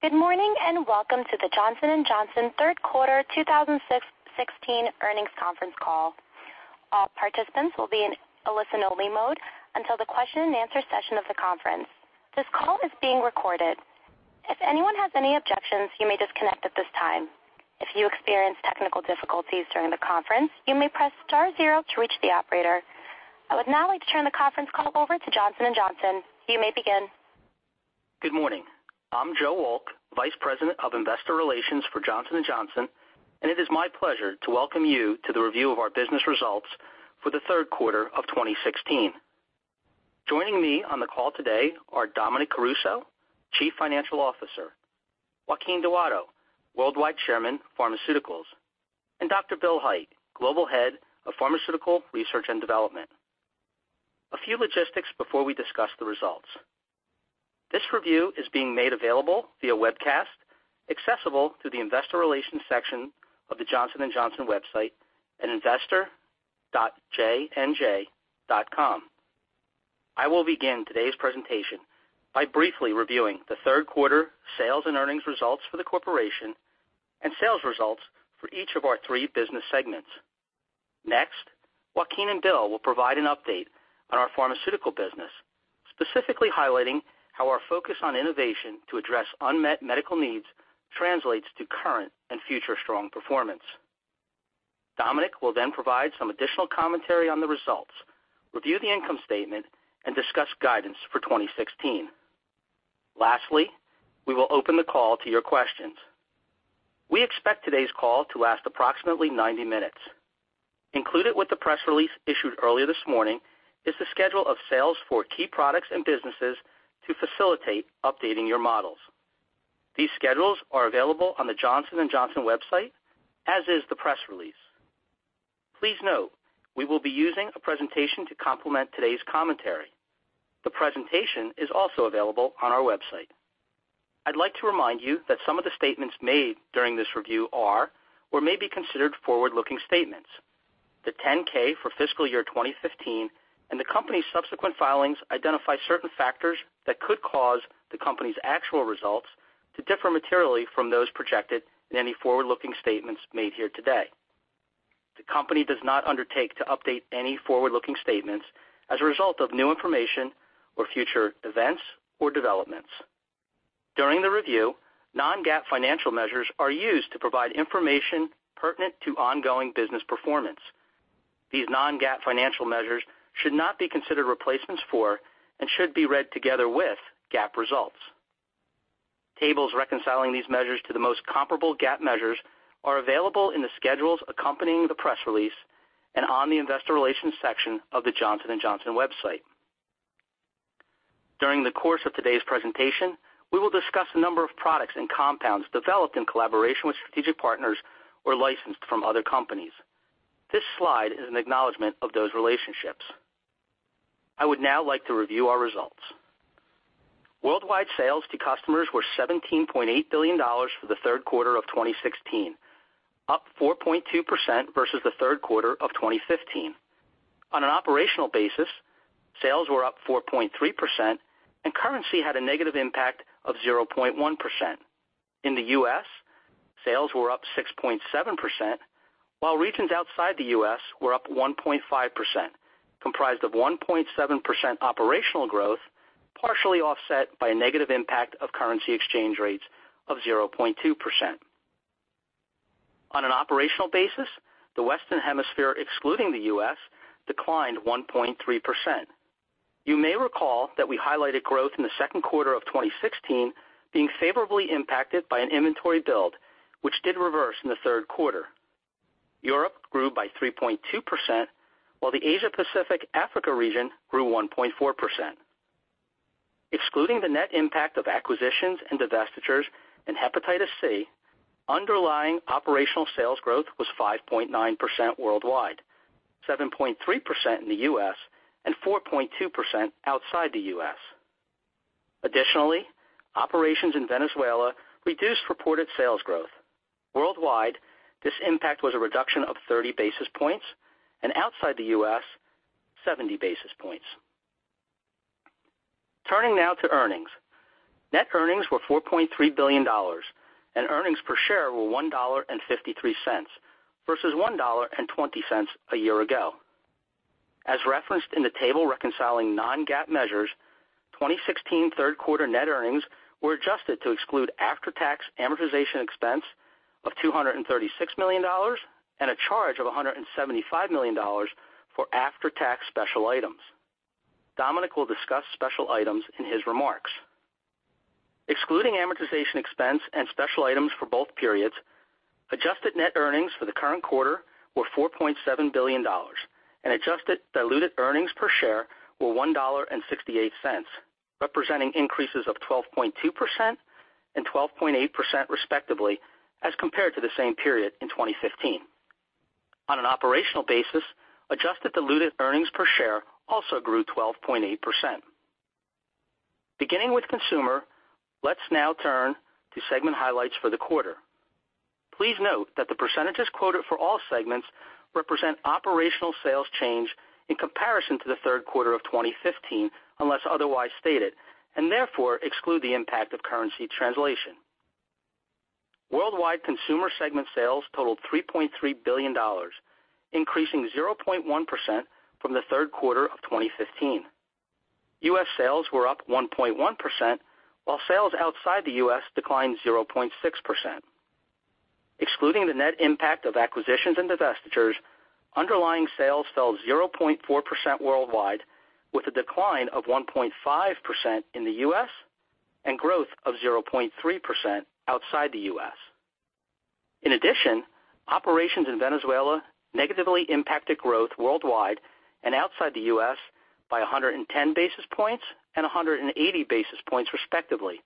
Good morning, and welcome to the Johnson & Johnson third quarter 2016 earnings conference call. All participants will be in a listen only mode until the question and answer session of the conference. This call is being recorded. If anyone has any objections, you may disconnect at this time. If you experience technical difficulties during the conference, you may press star zero to reach the operator. I would now like to turn the conference call over to Johnson & Johnson. You may begin. Good morning. I'm Joe Wolk, vice president of investor relations for Johnson & Johnson, and it is my pleasure to welcome you to the review of our business results for the third quarter of 2016. Joining me on the call today are Dominic Caruso, chief financial officer, Joaquin Duato, worldwide chairman, Pharmaceuticals, and Dr. Bill Hait, global head of Pharmaceutical Research and Development. A few logistics before we discuss the results. This review is being made available via webcast, accessible through the investor relations section of the Johnson & Johnson website at investor.jnj.com. I will begin today's presentation by briefly reviewing the third quarter sales and earnings results for the corporation and sales results for each of our three business segments. Joaquin and Bill will provide an update on our pharmaceutical business, specifically highlighting how our focus on innovation to address unmet medical needs translates to current and future strong performance. Dominic will provide some additional commentary on the results, review the income statement, and discuss guidance for 2016. Lastly, we will open the call to your questions. We expect today's call to last approximately 90 minutes. Included with the press release issued earlier this morning is the schedule of sales for key products and businesses to facilitate updating your models. These schedules are available on the Johnson & Johnson website, as is the press release. Please note, we will be using a presentation to complement today's commentary. The presentation is also available on our website. I'd like to remind you that some of the statements made during this review are or may be considered forward-looking statements. The 10-K for fiscal year 2015 and the company's subsequent filings identify certain factors that could cause the company's actual results to differ materially from those projected in any forward-looking statements made here today. The company does not undertake to update any forward-looking statements as a result of new information or future events or developments. During the review, non-GAAP financial measures are used to provide information pertinent to ongoing business performance. These non-GAAP financial measures should not be considered replacements for and should be read together with GAAP results. Tables reconciling these measures to the most comparable GAAP measures are available in the schedules accompanying the press release and on the investor relations section of the Johnson & Johnson website. During the course of today's presentation, we will discuss a number of products and compounds developed in collaboration with strategic partners or licensed from other companies. This slide is an acknowledgment of those relationships. I would now like to review our results. Worldwide sales to customers were $17.8 billion for the third quarter of 2016, up 4.2% versus the third quarter of 2015. On an operational basis, sales were up 4.3% and currency had a negative impact of 0.1%. In the U.S., sales were up 6.7%, while regions outside the U.S. were up 1.5%, comprised of 1.7% operational growth, partially offset by a negative impact of currency exchange rates of 0.2%. On an operational basis, the Western Hemisphere, excluding the U.S., declined 1.3%. You may recall that we highlighted growth in the second quarter of 2016 being favorably impacted by an inventory build, which did reverse in the third quarter. Europe grew by 3.2%, while the Asia-Pacific Africa region grew 1.4%. Excluding the net impact of acquisitions and divestitures in hepatitis C, underlying operational sales growth was 5.9% worldwide, 7.3% in the U.S., and 4.2% outside the U.S. Additionally, operations in Venezuela reduced reported sales growth. Worldwide, this impact was a reduction of 30 basis points, and outside the U.S., 70 basis points. Turning now to earnings. Net earnings were $4.3 billion and earnings per share were $1.53 versus $1.20 a year ago. As referenced in the table reconciling non-GAAP measures, 2016 third quarter net earnings were adjusted to exclude after-tax amortization expense of $236 million and a charge of $175 million for after-tax special items. Dominic will discuss special items in his remarks. Excluding amortization expense and special items for both periods, adjusted net earnings for the current quarter were $4.7 billion and adjusted diluted earnings per share were $1.68, representing increases of 12.2% and 12.8% respectively as compared to the same period in 2015. On an operational basis, adjusted diluted earnings per share also grew 12.8%. Beginning with consumer, let's now turn to segment highlights for the quarter. Please note that the percentages quoted for all segments represent operational sales change in comparison to the third quarter of 2015, unless otherwise stated, and therefore exclude the impact of currency translation. Worldwide consumer segment sales totaled $3.3 billion, increasing 0.1% from the third quarter of 2015. U.S. sales were up 1.1%, while sales outside the U.S. declined 0.6%. Excluding the net impact of acquisitions and divestitures, underlying sales fell 0.4% worldwide, with a decline of 1.5% in the U.S. and growth of 0.3% outside the U.S. In addition, operations in Venezuela negatively impacted growth worldwide and outside the U.S. by 110 basis points and 180 basis points respectively,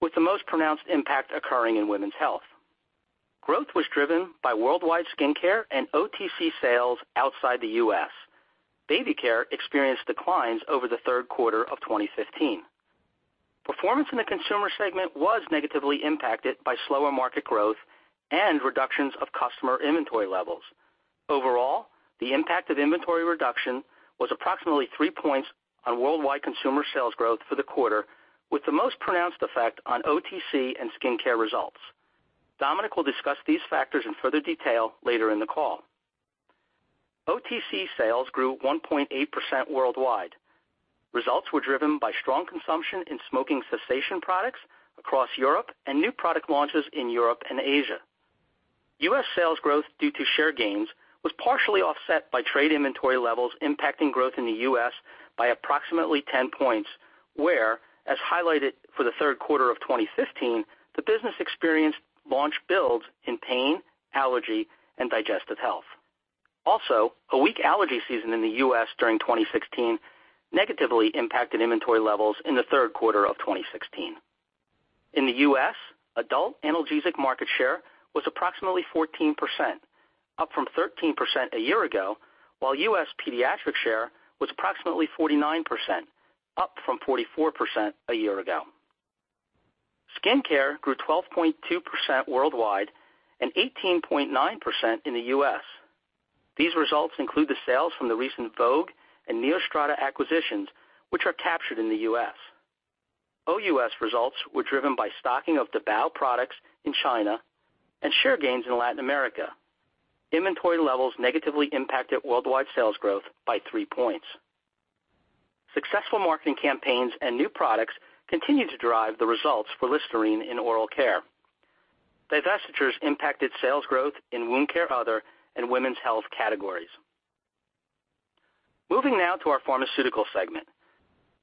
with the most pronounced impact occurring in women's health. Growth was driven by worldwide skincare and OTC sales outside the U.S. Baby care experienced declines over the third quarter of 2015. Performance in the consumer segment was negatively impacted by slower market growth and reductions of customer inventory levels. Overall, the impact of inventory reduction was approximately three points on worldwide consumer sales growth for the quarter, with the most pronounced effect on OTC and skincare results. Dominic will discuss these factors in further detail later in the call. OTC sales grew 1.8% worldwide. Results were driven by strong consumption in smoking cessation products across Europe and new product launches in Europe and Asia. U.S. sales growth due to share gains was partially offset by trade inventory levels impacting growth in the U.S. by approximately 10 points, where, as highlighted for the third quarter of 2015, the business experienced launch builds in pain, allergy, and digestive health. Also, a weak allergy season in the U.S. during 2016 negatively impacted inventory levels in the third quarter of 2016. In the U.S., adult analgesic market share was approximately 14%, up from 13% a year ago, while U.S. pediatric share was approximately 49%, up from 44% a year ago. Skincare grew 12.2% worldwide and 18.9% in the U.S. These results include the sales from the recent Vogue and NeoStrata acquisitions, which are captured in the U.S. OUS results were driven by stocking of Dabao products in China and share gains in Latin America. Inventory levels negatively impacted worldwide sales growth by three points. Successful marketing campaigns and new products continue to drive the results for Listerine in oral care. Divestitures impacted sales growth in wound care other and women's health categories. Moving now to our pharmaceutical segment.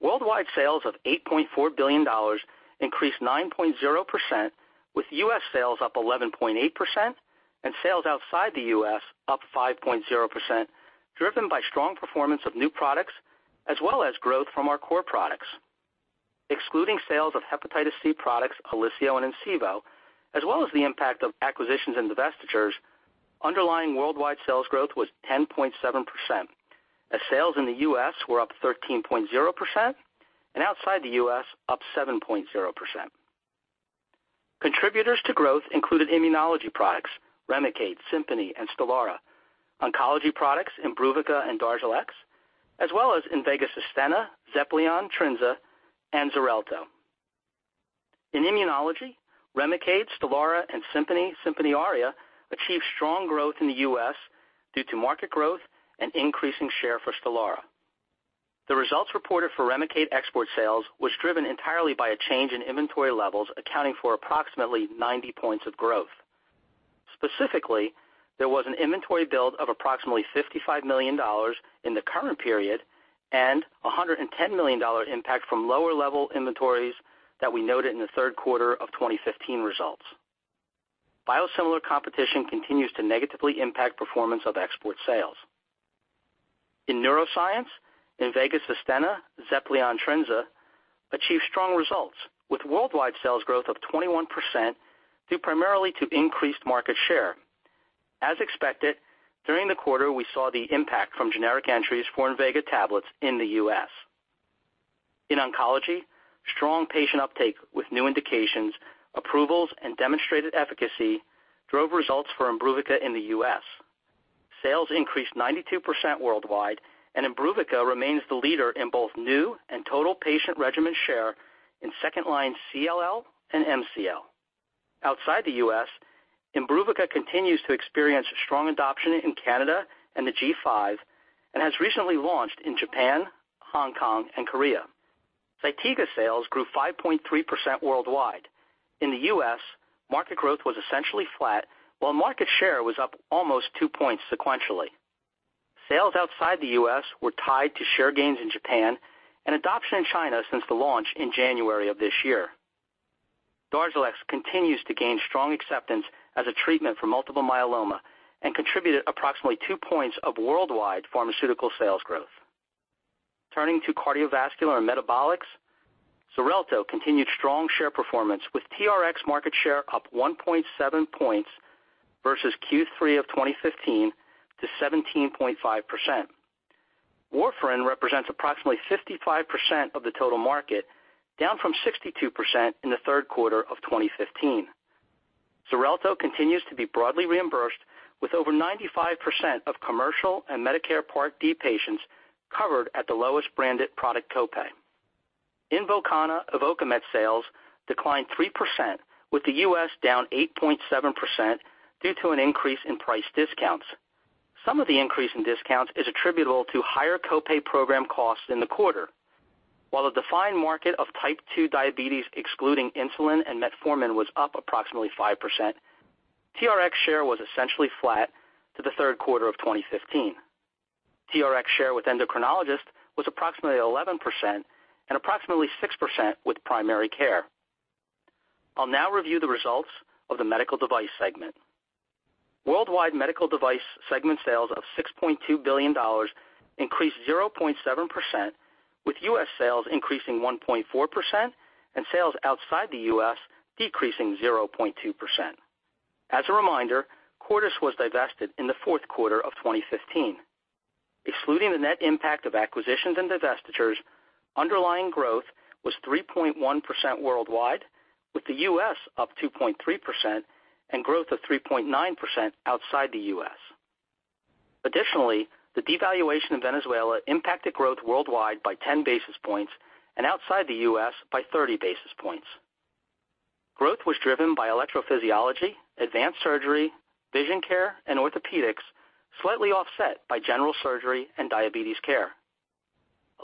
Worldwide sales of $8.4 billion increased 9.0%, with U.S. sales up 11.8% and sales outside the U.S. up 5.0%, driven by strong performance of new products, as well as growth from our core products. Excluding sales of hepatitis C products, OLYSIO and INCIVO, as well as the impact of acquisitions and divestitures, underlying worldwide sales growth was 10.7%, as sales in the U.S. were up 13.0% and outside the U.S. up 7.0%. Contributors to growth included immunology products, REMICADE, SIMPONI, and STELARA, oncology products IMBRUVICA and DARZALEX, as well as INVEGA SUSTENNA, XEPLION, TRINZA, and XARELTO. In immunology, REMICADE, STELARA, and SIMPONI/SIMPONI ARIA achieved strong growth in the U.S. due to market growth and increasing share for STELARA. The results reported for REMICADE export sales was driven entirely by a change in inventory levels accounting for approximately 90 points of growth. Specifically, there was an inventory build of approximately $55 million in the current period and $110 million impact from lower-level inventories that we noted in the third quarter of 2015 results. Biosimilar competition continues to negatively impact performance of export sales. In neuroscience, INVEGA SUSTENNA, XEPLION, TRINZA achieved strong results with worldwide sales growth of 21% due primarily to increased market share. As expected, during the quarter, we saw the impact from generic entries for INVEGA tablets in the U.S. In oncology, strong patient uptake with new indications, approvals, and demonstrated efficacy drove results for IMBRUVICA in the U.S. Sales increased 92% worldwide, and IMBRUVICA remains the leader in both new and total patient regimen share in second-line CLL and MCL. Outside the U.S., IMBRUVICA continues to experience strong adoption in Canada and the EU5 and has recently launched in Japan, Hong Kong, and Korea. ZYTIGA sales grew 5.3% worldwide. In the U.S., market growth was essentially flat, while market share was up almost two points sequentially. Sales outside the U.S. were tied to share gains in Japan and adoption in China since the launch in January of this year. DARZALEX continues to gain strong acceptance as a treatment for multiple myeloma and contributed approximately two points of worldwide pharmaceutical sales growth. Turning to cardiovascular and metabolics, XARELTO continued strong share performance with TRX market share up 1.7 points versus Q3 2015 to 17.5%. Warfarin represents approximately 55% of the total market, down from 62% in the third quarter 2015. Xarelto continues to be broadly reimbursed, with over 95% of commercial and Medicare Part D patients covered at the lowest branded product copay. INVOKANA/INVOKAMET sales declined 3%, with the U.S. down 8.7% due to an increase in price discounts. Some of the increase in discounts is attributable to higher copay program costs in the quarter. While the defined market of type 2 diabetes, excluding insulin and metformin, was up approximately 5%, TRX share was essentially flat to the third quarter 2015. TRX share with endocrinologists was approximately 11% and approximately 6% with primary care. I'll now review the results of the medical device segment. Worldwide medical device segment sales of $6.2 billion increased 0.7%, with U.S. sales increasing 1.4% and sales outside the U.S. decreasing 0.2%. As a reminder, Cordis was divested in the fourth quarter 2015. Excluding the net impact of acquisitions and divestitures, underlying growth was 3.1% worldwide, with the U.S. up 2.3% and growth of 3.9% outside the U.S. The devaluation of Venezuela impacted growth worldwide by 10 basis points and outside the U.S. by 30 basis points. Growth was driven by electrophysiology, advanced surgery, vision care, and orthopedics, slightly offset by general surgery and diabetes care.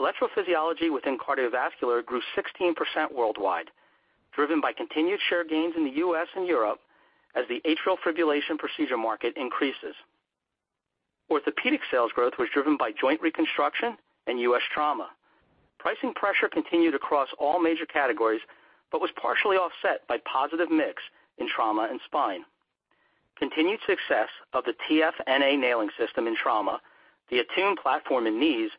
Electrophysiology within cardiovascular grew 16% worldwide, driven by continued share gains in the U.S. and Europe as the atrial fibrillation procedure market increases. Orthopedic sales growth was driven by joint reconstruction and U.S. trauma. Pricing pressure continued across all major categories but was partially offset by positive mix in trauma and spine. Continued success of the TFNA nailing system in trauma, the ATTUNE platform in knees,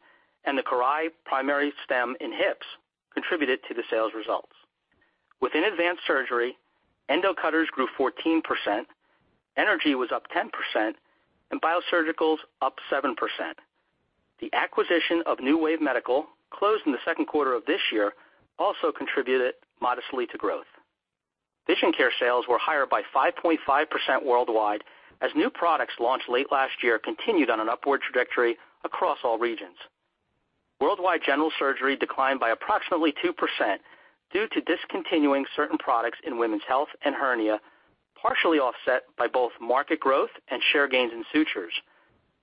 and the CORAIL primary stem in hips contributed to the sales results. Within advanced surgery, endocutters grew 14%, energy was up 10%, and biosurgicals up 7%. The acquisition of NeuWave Medical, closed in the second quarter this year, also contributed modestly to growth. Vision care sales were higher by 5.5% worldwide as new products launched late last year continued on an upward trajectory across all regions. Worldwide general surgery declined by approximately 2% due to discontinuing certain products in women's health and hernia, partially offset by both market growth and share gains in sutures.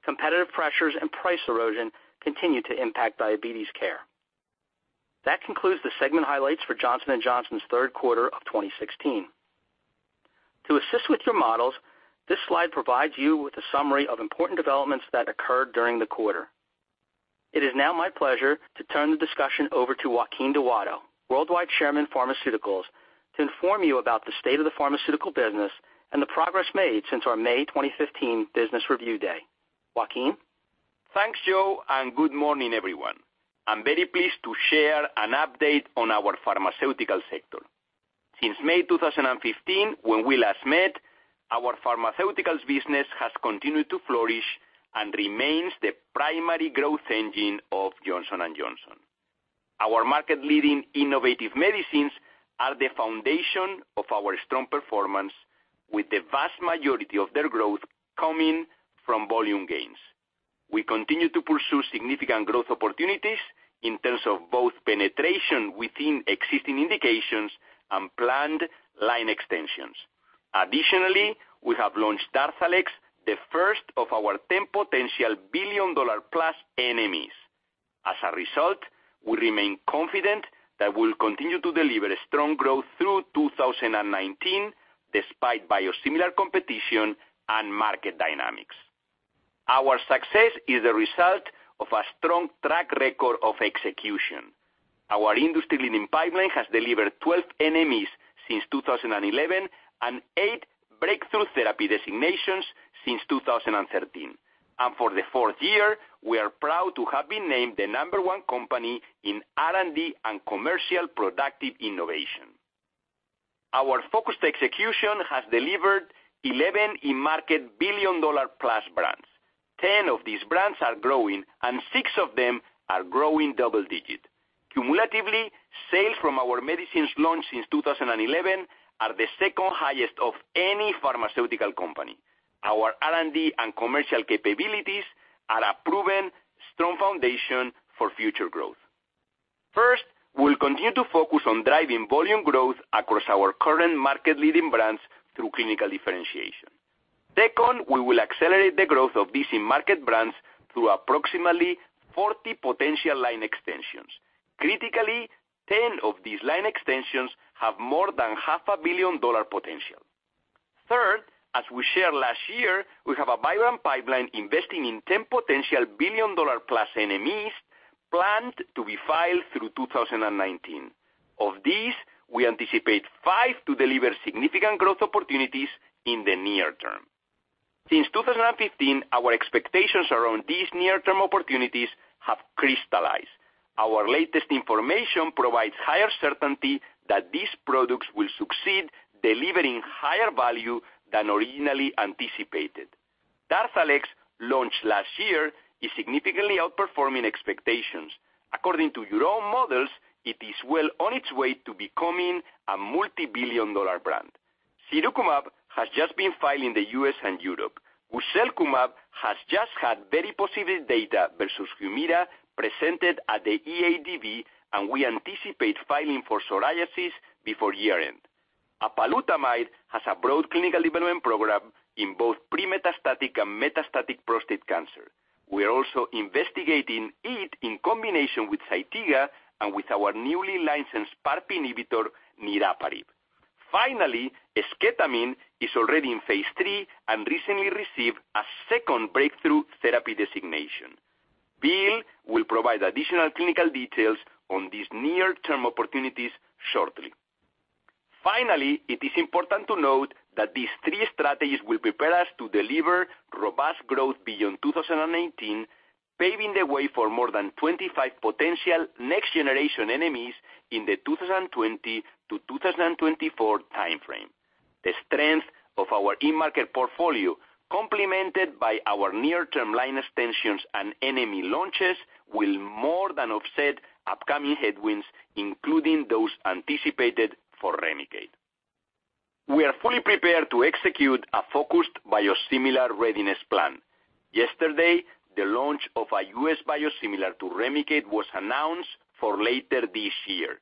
Competitive pressures and price erosion continued to impact diabetes care. That concludes the segment highlights for Johnson & Johnson's third quarter 2016. To assist with your models, this slide provides you with a summary of important developments that occurred during the quarter. It is now my pleasure to turn the discussion over to Joaquin Duato, Worldwide Chairman, Pharmaceuticals, to inform you about the state of the pharmaceutical business and the progress made since our May 2015 business review day. Joaquin? Thanks, Joe, and good morning, everyone. I'm very pleased to share an update on our pharmaceutical sector. Since May 2015, when we last met, our pharmaceuticals business has continued to flourish and remains the primary growth engine of Johnson & Johnson. Our market-leading innovative medicines are the foundation of our strong performance, with the vast majority of their growth coming from volume gains. We continue to pursue significant growth opportunities in terms of both penetration within existing indications and planned line extensions. Additionally, we have launched DARZALEX, the first of our 10 potential billion-dollar-plus NMEs. As a result, we remain confident that we'll continue to deliver strong growth through 2019 despite biosimilar competition and market dynamics. Our success is a result of a strong track record of execution. Our industry-leading pipeline has delivered 12 NMEs since 2011 and eight breakthrough therapy designations since 2013. For the fourth year, we are proud to have been named the number one company in R&D and commercial productive innovation. Our focused execution has delivered 11 in-market billion-dollar-plus brands. Ten of these brands are growing, and six of them are growing double digits. Cumulatively, sales from our medicines launched since 2011 are the second highest of any pharmaceutical company. Our R&D and commercial capabilities are a proven strong foundation for future growth. First, we'll continue to focus on driving volume growth across our current market-leading brands through clinical differentiation. Second, we will accelerate the growth of these in-market brands through approximately 40 potential line extensions. Critically, 10 of these line extensions have more than half a billion dollar potential. Third, as we shared last year, we have a vibrant pipeline investing in 10 potential billion-dollar-plus NMEs planned to be filed through 2019. Of these, we anticipate five to deliver significant growth opportunities in the near term. Since 2015, our expectations around these near-term opportunities have crystallized. Our latest information provides higher certainty that these products will succeed, delivering higher value than originally anticipated. DARZALEX, launched last year, is significantly outperforming expectations. According to your own models, it is well on its way to becoming a multibillion-dollar brand. sirukumab has just been filed in the U.S. and Europe. guselkumab has just had very positive data versus HUMIRA presented at the EADV, and we anticipate filing for psoriasis before year-end. apalutamide has a broad clinical development program in both pre-metastatic and metastatic prostate cancer. We are also investigating it in combination with ZYTIGA and with our newly licensed PARP inhibitor, niraparib. Finally, esketamine is already in phase III and recently received a second breakthrough therapy designation. Bill will provide additional clinical details on these near-term opportunities shortly. Finally, it is important to note that these three strategies will prepare us to deliver robust growth beyond 2019, paving the way for more than 25 potential next-generation NMEs in the 2020 to 2024 timeframe. The strength of our in-market portfolio, complemented by our near-term line extensions and NME launches, will more than offset upcoming headwinds, including those anticipated for REMICADE. We are fully prepared to execute a focused biosimilar readiness plan. Yesterday, the launch of a U.S. biosimilar to REMICADE was announced for later this year.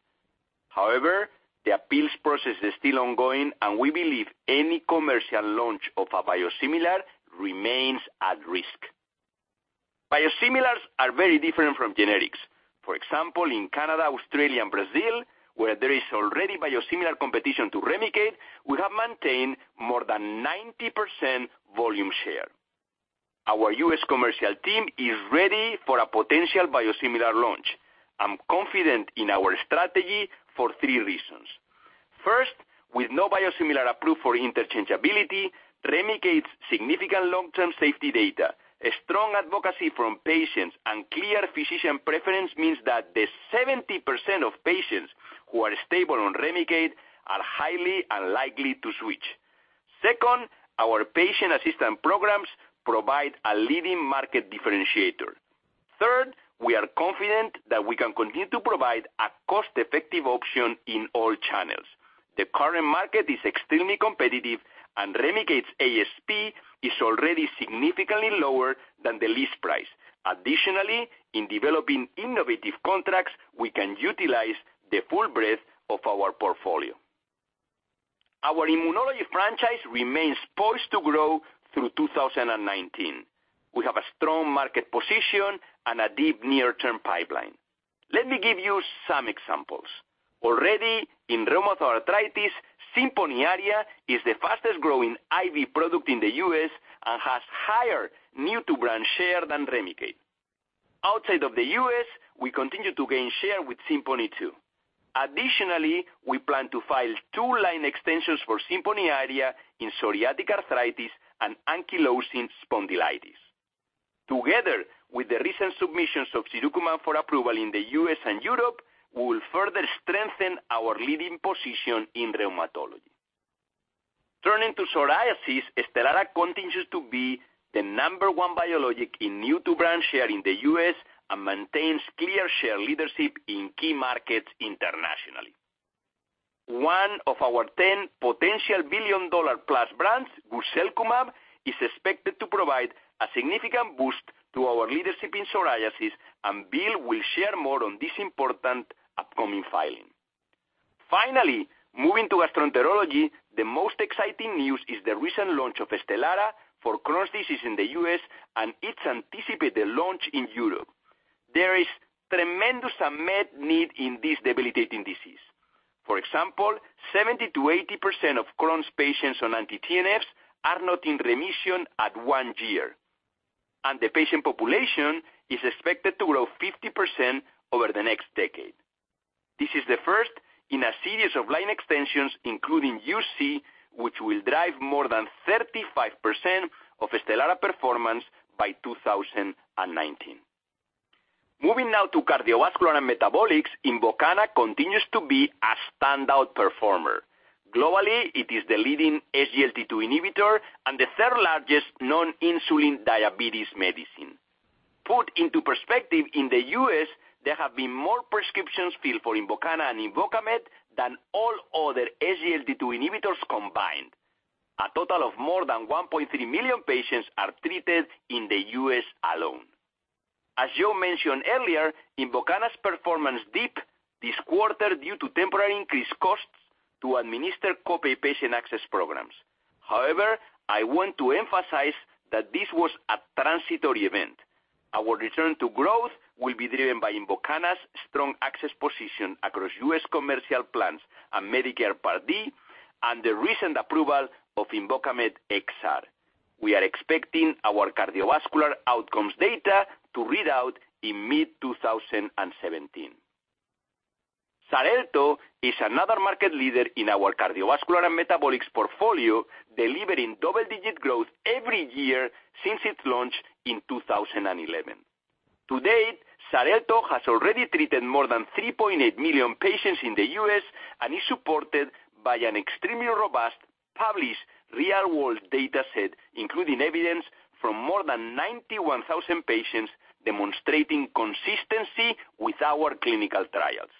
The appeals process is still ongoing, and we believe any commercial launch of a biosimilar remains at risk. Biosimilars are very different from generics. For example, in Canada, Australia, and Brazil, where there is already biosimilar competition to REMICADE, we have maintained more than 90% volume share. Our U.S. commercial team is ready for a potential biosimilar launch. I am confident in our strategy for three reasons. First, with no biosimilar approved for interchangeability, REMICADE's significant long-term safety data, a strong advocacy from patients, and clear physician preference means that the 70% of patients who are stable on REMICADE are highly unlikely to switch. Second, our patient assistance programs provide a leading market differentiator. Third, we are confident that we can continue to provide a cost-effective option in all channels. The current market is extremely competitive, REMICADE's ASP is already significantly lower than the list price. Additionally, in developing innovative contracts, we can utilize the full breadth of our portfolio. Our immunology franchise remains poised to grow through 2019. We have a strong market position and a deep near-term pipeline. Let me give you some examples. Already in rheumatoid arthritis, SIMPONI ARIA is the fastest-growing IV product in the U.S. and has higher new-to-brand share than REMICADE. Outside of the U.S., we continue to gain share with SIMPONI too. Additionally, we plan to file two line extensions for SIMPONI ARIA in psoriatic arthritis and ankylosing spondylitis. Together with the recent submissions of sirukumab for approval in the U.S. and Europe, we will further strengthen our leading position in rheumatology. Turning to psoriasis, STELARA continues to be the number one biologic in new-to-brand share in the U.S. and maintains clear share leadership in key markets internationally. One of our 10 potential billion-dollar-plus brands, guselkumab, is expected to provide a significant boost to our leadership in psoriasis, Bill will share more on this important upcoming filing. Finally, moving to gastroenterology, the most exciting news is the recent launch of STELARA for Crohn's disease in the U.S. and its anticipated launch in Europe. There is tremendous unmet need in this debilitating disease. For example, 70%-80% of Crohn's patients on anti-TNFs are not in remission at one year, the patient population is expected to grow 50% over the next decade. This is the first in a series of line extensions, including UC, which will drive more than 35% of STELARA performance by 2019. Moving now to cardiovascular and metabolics, INVOKANA continues to be a standout performer. Globally, it is the leading SGLT2 inhibitor and the third largest non-insulin diabetes medicine. Put into perspective, in the U.S., there have been more prescriptions filled for INVOKANA and INVOKAMET than all other SGLT2 inhibitors combined. A total of more than 1.3 million patients are treated in the U.S. alone. As Joe mentioned earlier, INVOKANA's performance dipped this quarter due to temporary increased costs to administer co-pay patient access programs. However, I want to emphasize that this was a transitory event. Our return to growth will be driven by INVOKANA's strong access position across U.S. commercial plans and Medicare Part D and the recent approval of INVOKAMET XR. We are expecting our cardiovascular outcomes data to read out in mid-2017. XARELTO is another market leader in our cardiovascular and metabolics portfolio, delivering double-digit growth every year since its launch in 2011. To date, XARELTO has already treated more than 3.8 million patients in the U.S. and is supported by an extremely robust published real-world data set, including evidence from more than 91,000 patients, demonstrating consistency with our clinical trials.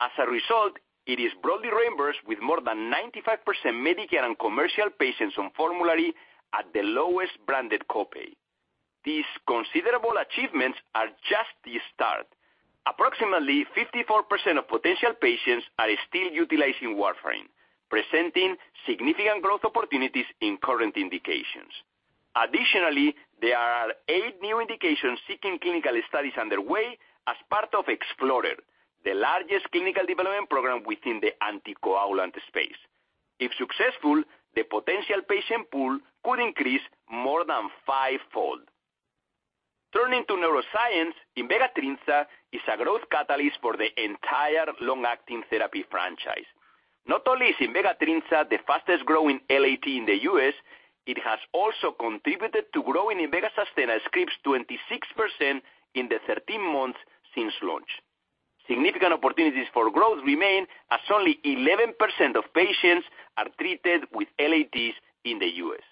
As a result, it is broadly reimbursed with more than 95% Medicare and commercial patients on formulary at the lowest branded copay. These considerable achievements are just the start. Approximately 54% of potential patients are still utilizing warfarin, presenting significant growth opportunities in current indications. Additionally, there are eight new indications seeking clinical studies underway as part of EXPLORER, the largest clinical development program within the anticoagulant space. If successful, the potential patient pool could increase more than fivefold. Turning to neuroscience, INVEGA TRINZA is a growth catalyst for the entire long-acting therapy franchise. Not only is INVEGA TRINZA the fastest growing LAT in the U.S., it has also contributed to growing INVEGA SUSTENNA scripts 26% in the 13 months since launch. Significant opportunities for growth remain, as only 11% of patients are treated with LATs in the U.S.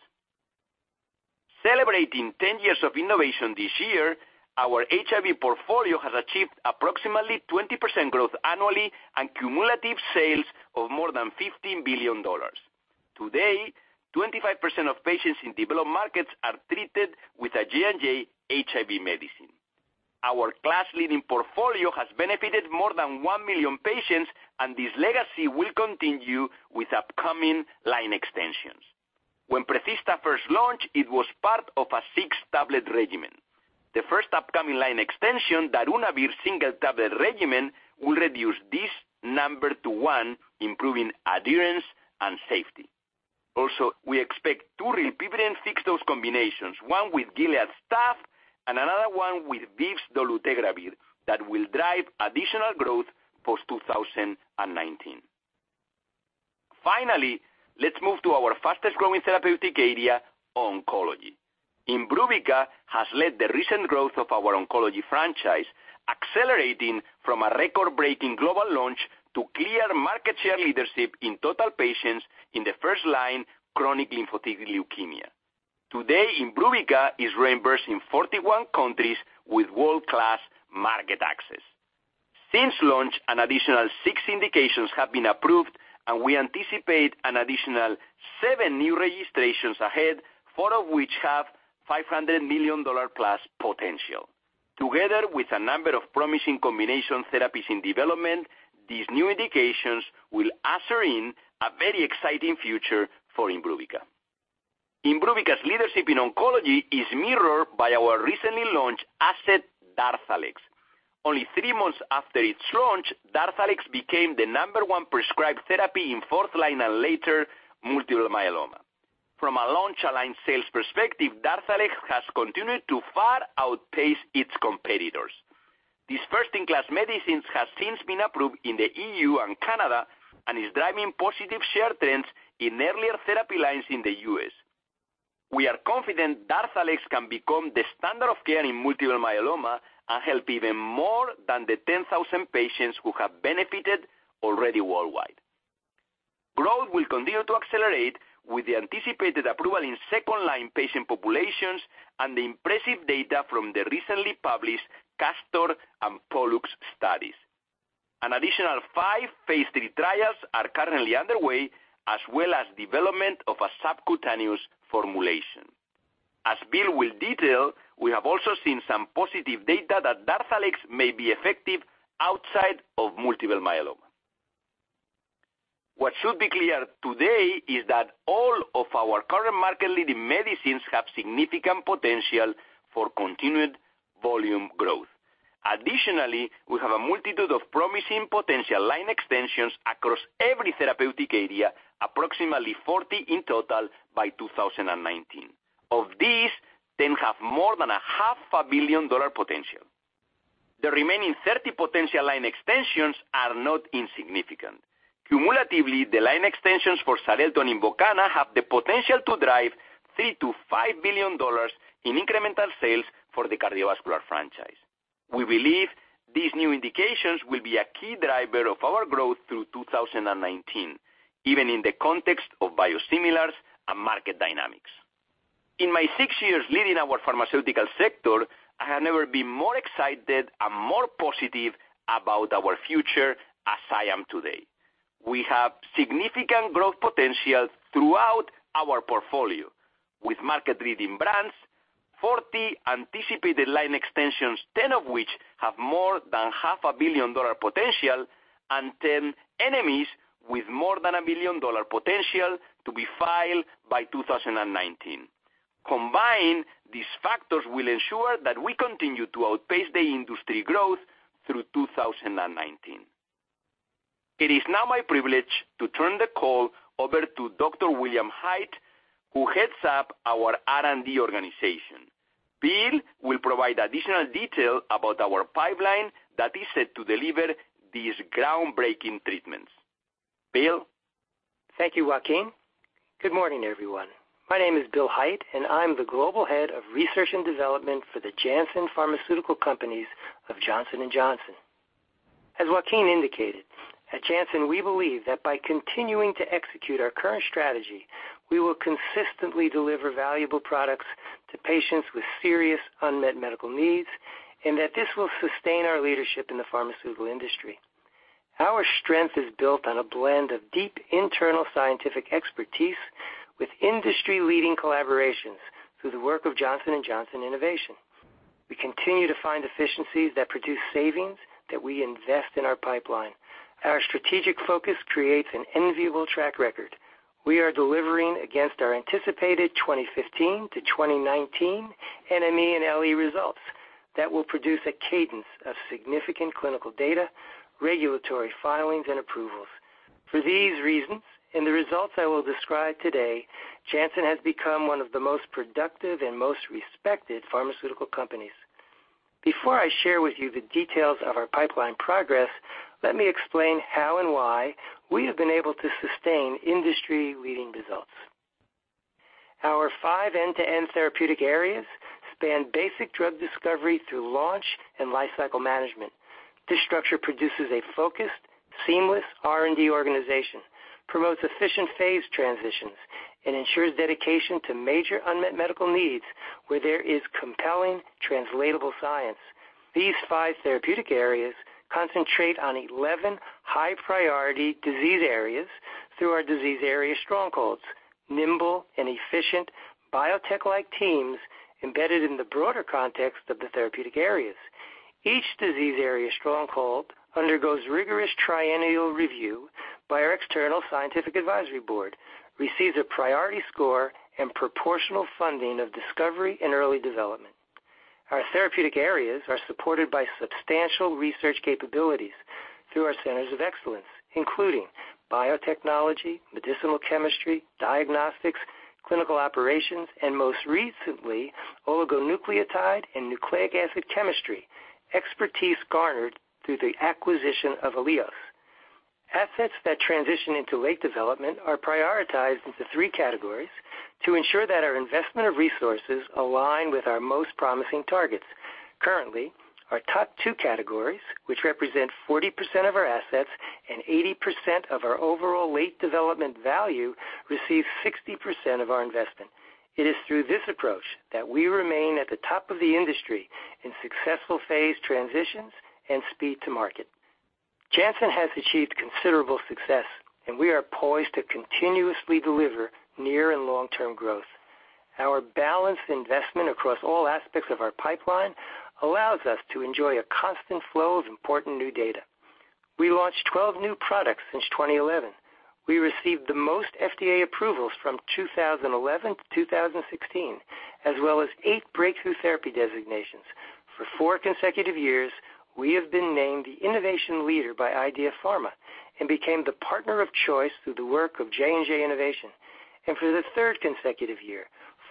Celebrating 10 years of innovation this year, our HIV portfolio has achieved approximately 20% growth annually and cumulative sales of more than $15 billion. Today, 25% of patients in developed markets are treated with a J&J HIV medicine. Our class-leading portfolio has benefited more than one million patients, and this legacy will continue with upcoming line extensions. When PREZISTA first launched, it was part of a six-tablet regimen. We expect two rilpivirine fixed-dose combinations, one with Gilead's TAF and another one with ViiV's dolutegravir, that will drive additional growth post-2019. Let's move to our fastest-growing therapeutic area, oncology. IMBRUVICA has led the recent growth of our oncology franchise, accelerating from a record-breaking global launch to clear market share leadership in total patients in the first-line chronic lymphocytic leukemia. Today, IMBRUVICA is reimbursed in 41 countries with world-class market access. Since launch, an additional six indications have been approved, and we anticipate an additional seven new registrations ahead, four of which have $500 million-plus potential. Together with a number of promising combination therapies in development, these new indications will usher in a very exciting future for IMBRUVICA. IMBRUVICA's leadership in oncology is mirrored by our recently launched asset, DARZALEX. Only three months after its launch, DARZALEX became the number 1 prescribed therapy in fourth line and later multiple myeloma. From a launch aligned sales perspective, DARZALEX has continued to far outpace its competitors. This first-in-class medicine has since been approved in the EU and Canada and is driving positive share trends in earlier therapy lines in the U.S. We are confident DARZALEX can become the standard of care in multiple myeloma and help even more than the 10,000 patients who have benefited already worldwide. Growth will continue to accelerate with the anticipated approval in second-line patient populations and the impressive data from the recently published CASTOR and POLLUX studies. An additional five phase III trials are currently underway, as well as development of a subcutaneous formulation. As Bill will detail, we have also seen some positive data that DARZALEX may be effective outside of multiple myeloma. What should be clear today is that all of our current market-leading medicines have significant potential for continued volume growth. We have a multitude of promising potential line extensions across every therapeutic area, approximately 40 in total by 2019. Of these, 10 have more than a half a billion dollar potential. The remaining 30 potential line extensions are not insignificant. Cumulatively, the line extensions for XARELTO and INVOKANA have the potential to drive $3 billion to $5 billion in incremental sales for the cardiovascular franchise. We believe these new indications will be a key driver of our growth through 2019, even in the context of biosimilars and market dynamics. In my six years leading our pharmaceutical sector, I have never been more excited and more positive about our future as I am today. We have significant growth potential throughout our portfolio. With market-leading brands, 40 anticipated line extensions, 10 of which have more than half a billion dollar potential, and 10 NMEs with more than a billion dollar potential to be filed by 2019. These factors will ensure that we continue to outpace the industry growth through 2019. It is now my privilege to turn the call over to Dr. William Hait, who heads up our R&D organization. Bill will provide additional detail about our pipeline that is set to deliver these groundbreaking treatments. Bill? Thank you, Joaquin. Good morning, everyone. My name is Bill Hait, and I'm the Global Head of Research and Development for the Janssen Pharmaceutical Companies of Johnson & Johnson. As Joaquin indicated, at Janssen, we believe that by continuing to execute our current strategy, we will consistently deliver valuable products to patients with serious unmet medical needs, and that this will sustain our leadership in the pharmaceutical industry. Our strength is built on a blend of deep internal scientific expertise with industry-leading collaborations through the work of Johnson & Johnson Innovation. We continue to find efficiencies that produce savings that we invest in our pipeline. Our strategic focus creates an enviable track record. We are delivering against our anticipated 2015 to 2019 NME and LE results that will produce a cadence of significant clinical data, regulatory filings, and approvals. For these reasons and the results I will describe today, Janssen has become one of the most productive and most respected pharmaceutical companies. Before I share with you the details of our pipeline progress, let me explain how and why we have been able to sustain industry-leading results. Our five end-to-end therapeutic areas span basic drug discovery through launch and lifecycle management. This structure produces a focused, seamless R&D organization, promotes efficient phase transitions, and ensures dedication to major unmet medical needs where there is compelling translatable science. These five therapeutic areas concentrate on 11 high-priority disease areas through our disease area strongholds, nimble and efficient biotech-like teams embedded in the broader context of the therapeutic areas. Each disease area stronghold undergoes rigorous triennial review by our external scientific advisory board, receives a priority score, and proportional funding of discovery and early development. Our therapeutic areas are supported by substantial research capabilities through our centers of excellence, including biotechnology, medicinal chemistry, diagnostics, clinical operations, and most recently, oligonucleotide and nucleic acid chemistry, expertise garnered through the acquisition of Alios. Assets that transition into late development are prioritized into three categories to ensure that our investment of resources align with our most promising targets. Currently, our top two categories, which represent 40% of our assets and 80% of our overall late development value, receive 60% of our investment. It is through this approach that we remain at the top of the industry in successful phase transitions and speed to market. Janssen has achieved considerable success, and we are poised to continuously deliver near and long-term growth. Our balanced investment across all aspects of our pipeline allows us to enjoy a constant flow of important new data. We launched 12 new products since 2011. We received the most FDA approvals from 2011 to 2016, as well as eight breakthrough therapy designations. For four consecutive years, we have been named the innovation leader by IDEA Pharma and became the partner of choice through the work of J&J Innovation. For the third consecutive year,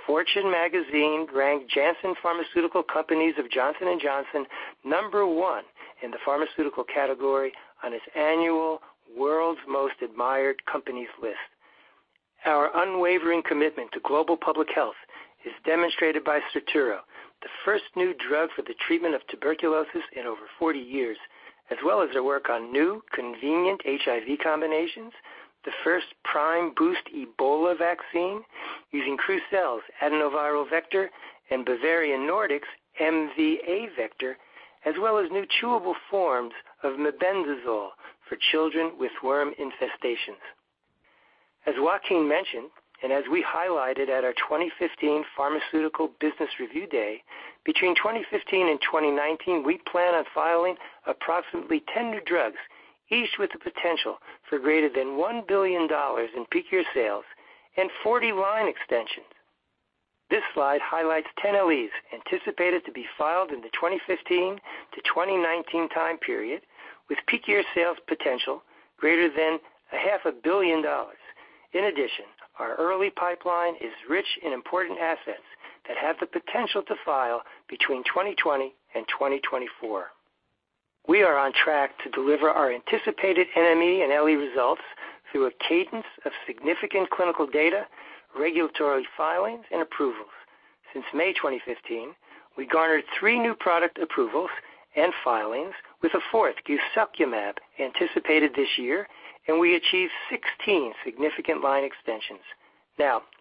Fortune magazine ranked Janssen Pharmaceutical Companies of Johnson & Johnson number one in the pharmaceutical category on its annual World's Most Admired Companies list. Our unwavering commitment to global public health is demonstrated by SIRTURO, the first new drug for the treatment of tuberculosis in over 40 years, as well as our work on new convenient HIV combinations, the first prime boost Ebola vaccine using Crucell's adenoviral vector and Bavarian Nordic's MVA vector, as well as new chewable forms of mebendazole for children with worm infestations. As Joaquin mentioned, as we highlighted at our 2015 Pharmaceutical Business Review Day, between 2015 and 2019, we plan on filing approximately 10 new drugs, each with the potential for greater than $1 billion in peak year sales and 40 line extensions. This slide highlights 10 NMEs anticipated to be filed in the 2015 to 2019 time period with peak year sales potential greater than a half a billion dollars. Our early pipeline is rich in important assets that have the potential to file between 2020 and 2024. We are on track to deliver our anticipated NME and LE results through a cadence of significant clinical data, regulatory filings, and approvals. Since May 2015, we garnered three new product approvals and filings, with a fourth, guselkumab, anticipated this year, we achieved 16 significant line extensions.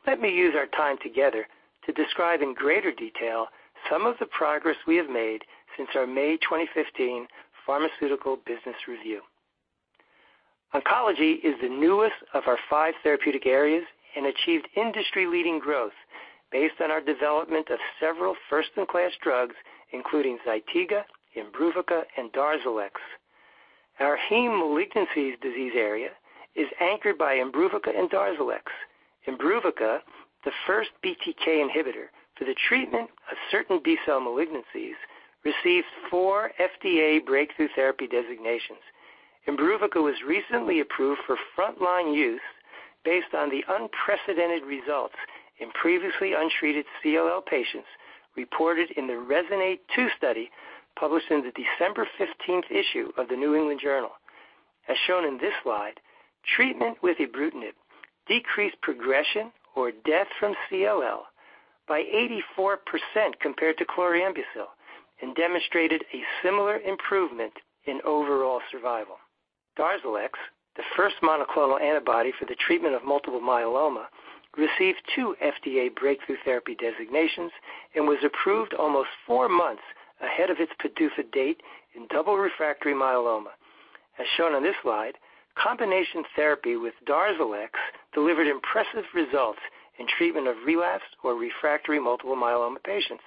Let me use our time together to describe in greater detail some of the progress we have made since our May 2015 pharmaceutical business review. Oncology is the newest of our five therapeutic areas and achieved industry-leading growth based on our development of several first-in-class drugs, including ZYTIGA, IMBRUVICA, and DARZALEX. Our heme malignancies disease area is anchored by IMBRUVICA and DARZALEX. IMBRUVICA, the first BTK inhibitor for the treatment of certain B-cell malignancies, received four FDA breakthrough therapy designations. IMBRUVICA was recently approved for frontline use based on the unprecedented results in previously untreated CLL patients reported in the RESONATE-2 study published in the December 15th issue of the New England Journal. As shown in this slide, treatment with ibrutinib decreased progression or death from CLL by 84% compared to chlorambucil and demonstrated a similar improvement in overall survival. DARZALEX, the first monoclonal antibody for the treatment of multiple myeloma, received two FDA breakthrough therapy designations and was approved almost four months ahead of its PDUFA date in double refractory myeloma. As shown on this slide, combination therapy with DARZALEX delivered impressive results in treatment of relapsed or refractory multiple myeloma patients.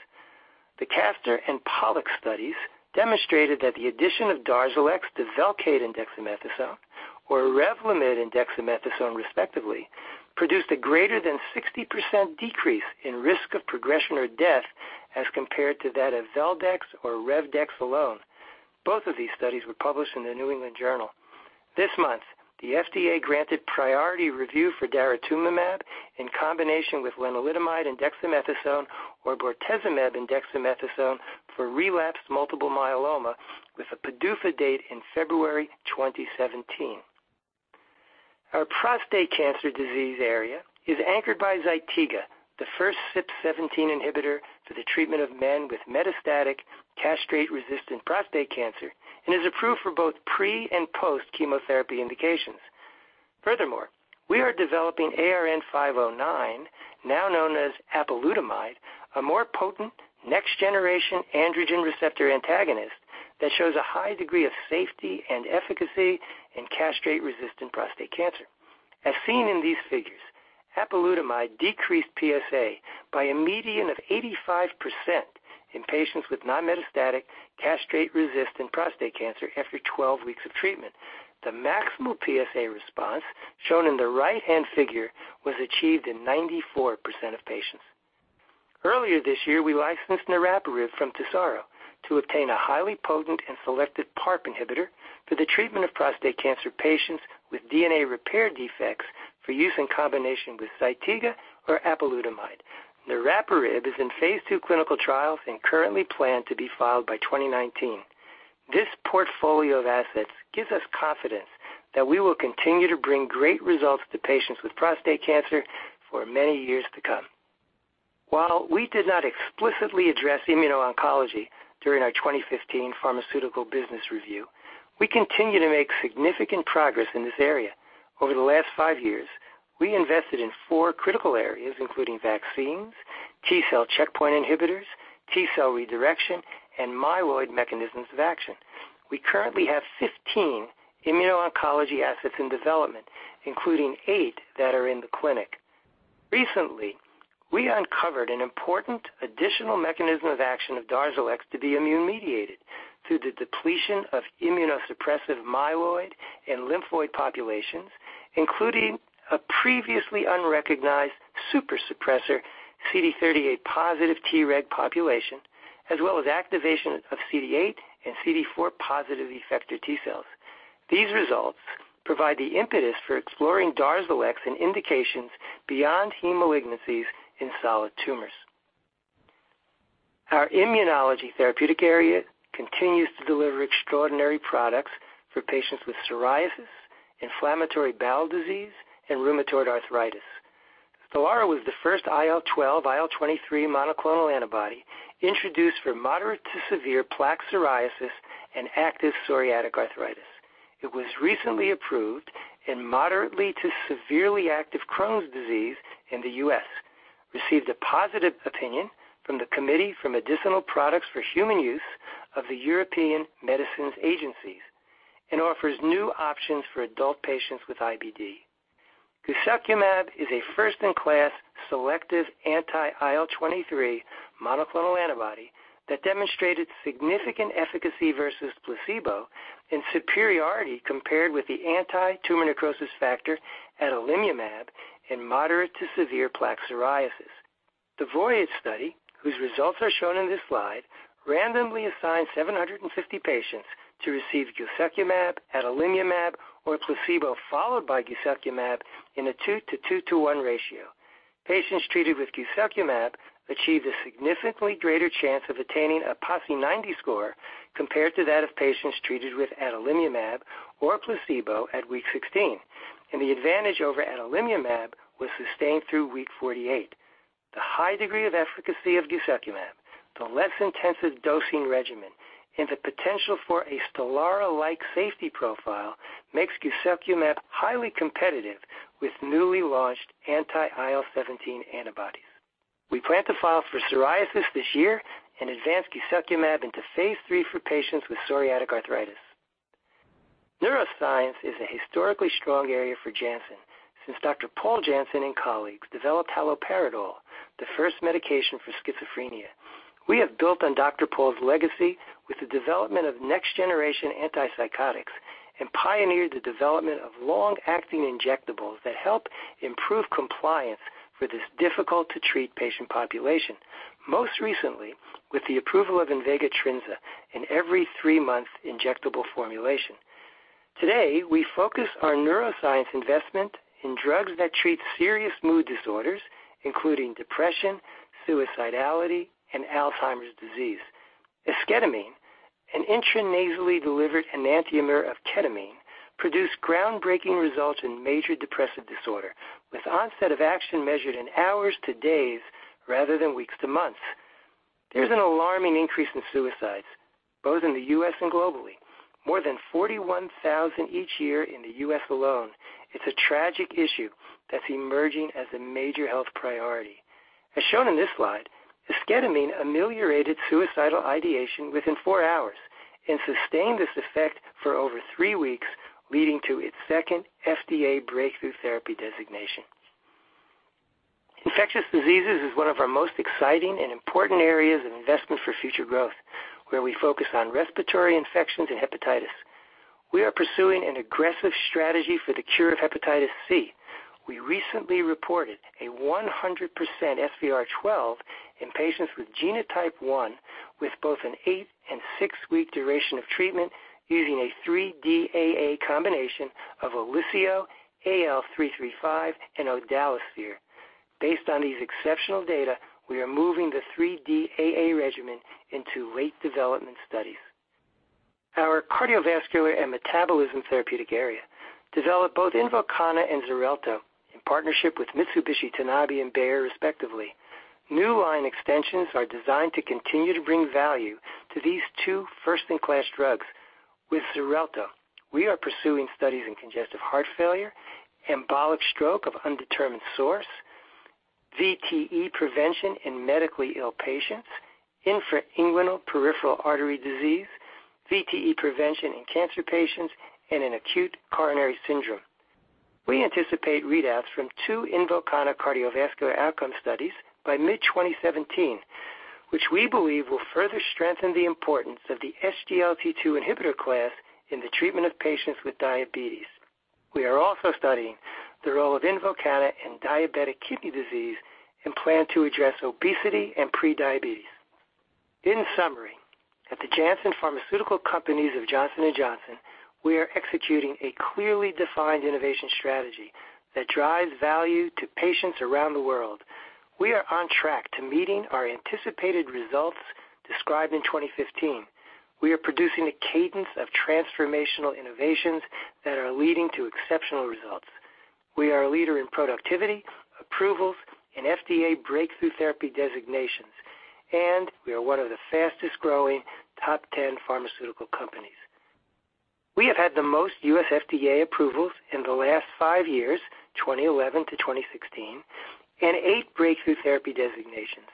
The CASTOR and POLLUX studies demonstrated that the addition of DARZALEX to VELCADE and dexamethasone or REVLIMID and dexamethasone, respectively, produced a greater than 60% decrease in risk of progression or death as compared to that of Vel/Dex or Rev/Dex alone. Both of these studies were published in the New England Journal. This month, the FDA granted priority review for daratumumab in combination with lenalidomide and dexamethasone or bortezomib and dexamethasone for relapsed multiple myeloma, with a PDUFA date in February 2017. Our prostate cancer disease area is anchored by ZYTIGA, the first CYP17 inhibitor for the treatment of men with metastatic castrate-resistant prostate cancer and is approved for both pre and post-chemotherapy indications. Furthermore, we are developing ARN-509, now known as apalutamide, a more potent next generation androgen receptor antagonist that shows a high degree of safety and efficacy in castrate-resistant prostate cancer. As seen in these figures, apalutamide decreased PSA by a median of 85% in patients with non-metastatic castrate-resistant prostate cancer after 12 weeks of treatment. The maximal PSA response, shown in the right-hand figure, was achieved in 94% of patients. Earlier this year, we licensed niraparib from TESARO to obtain a highly potent and selective PARP inhibitor for the treatment of prostate cancer patients with DNA repair defects for use in combination with ZYTIGA or apalutamide. niraparib is in phase II clinical trials and currently planned to be filed by 2019. This portfolio of assets gives us confidence that we will continue to bring great results to patients with prostate cancer for many years to come. While we did not explicitly address immuno-oncology during our 2015 pharmaceutical business review, we continue to make significant progress in this area. Over the last five years, we invested in four critical areas, including vaccines, T cell checkpoint inhibitors, T cell redirection, and myeloid mechanisms of action. We currently have 15 immuno-oncology assets in development, including eight that are in the clinic. Recently, we uncovered an important additional mechanism of action of DARZALEX to be immune-mediated through the depletion of immunosuppressive myeloid and lymphoid populations, including a previously unrecognized super suppressor CD38 positive Treg population, as well as activation of CD8 and CD4 positive effector T cells. These results provide the impetus for exploring DARZALEX in indications beyond hem malignancies in solid tumors. Our immunology therapeutic area continues to deliver extraordinary products for patients with psoriasis, inflammatory bowel disease, and rheumatoid arthritis. STELARA was the first IL-12, IL-23 monoclonal antibody introduced for moderate to severe plaque psoriasis and active psoriatic arthritis. It was recently approved in moderately to severely active Crohn's disease in the U.S., received a positive opinion from the Committee for Medicinal Products for Human Use of the European Medicines Agency, and offers new options for adult patients with IBD. guselkumab is a first-in-class selective anti-IL-23 monoclonal antibody that demonstrated significant efficacy versus placebo and superiority compared with the anti-tumor necrosis factor adalimumab in moderate to severe plaque psoriasis. The VOYAGE study, whose results are shown in this slide, randomly assigned 750 patients to receive guselkumab, adalimumab, or placebo, followed by guselkumab in a 2 to 2 to 1 ratio. Patients treated with guselkumab achieved a significantly greater chance of attaining a PASI 90 score compared to that of patients treated with adalimumab or placebo at week 16, and the advantage over adalimumab was sustained through week 48. The high degree of efficacy of guselkumab, the less intensive dosing regimen, and the potential for a STELARA-like safety profile makes guselkumab highly competitive with newly launched anti-IL-17 antibodies. We plan to file for psoriasis this year and advance guselkumab into phase III for patients with psoriatic arthritis. Neuroscience is a historically strong area for Janssen since Dr. Paul Janssen and colleagues developed haloperidol, the first medication for schizophrenia. We have built on Dr. Paul's legacy with the development of next generation antipsychotics and pioneered the development of long-acting injectables that help improve compliance for this difficult-to-treat patient population, most recently with the approval of INVEGA TRINZA, an every three-month injectable formulation. Today, we focus our neuroscience investment in drugs that treat serious mood disorders, including depression, suicidality, and Alzheimer's disease. Esketamine, an intranasally delivered enantiomer of ketamine, produced groundbreaking results in major depressive disorder, with onset of action measured in hours to days rather than weeks to months. There's an alarming increase in suicides, both in the U.S. and globally. More than 41,000 each year in the U.S. alone. It's a tragic issue that's emerging as a major health priority. As shown in this slide, esketamine ameliorated suicidal ideation within four hours and sustained this effect for over three weeks, leading to its second FDA breakthrough therapy designation. Infectious diseases is one of our most exciting and important areas of investment for future growth, where we focus on respiratory infections and hepatitis. We are pursuing an aggressive strategy for the cure of hepatitis C. We recently reported a 100% SVR12 in patients with genotype 1 with both an eight- and six-week duration of treatment using a 3-DAA combination of OLYSIO, AL-335, and odalasvir. Based on these exceptional data, we are moving the 3-DAA regimen into late development studies. Our cardiovascular and metabolism therapeutic area developed both INVOKANA and XARELTO in partnership with Mitsubishi Tanabe and Bayer, respectively. New line extensions are designed to continue to bring value to these two first-in-class drugs. With XARELTO, we are pursuing studies in congestive heart failure, embolic stroke of undetermined source, VTE prevention in medically ill patients, infrainguinal peripheral artery disease, VTE prevention in cancer patients, and in acute coronary syndrome. We anticipate readouts from two INVOKANA cardiovascular outcome studies by mid-2017, which we believe will further strengthen the importance of the SGLT2 inhibitor class in the treatment of patients with diabetes. We are also studying the role of INVOKANA in diabetic kidney disease and plan to address obesity and pre-diabetes. In summary, at the Janssen Pharmaceutical Companies of Johnson & Johnson, we are executing a clearly defined innovation strategy that drives value to patients around the world. We are on track to meeting our anticipated results described in 2015. We are producing a cadence of transformational innovations that are leading to exceptional results. We are a leader in productivity, approvals, and FDA breakthrough therapy designations. We are one of the fastest-growing top 10 pharmaceutical companies. We have had the most U.S. FDA approvals in the last five years, 2011 to 2016, and eight breakthrough therapy designations.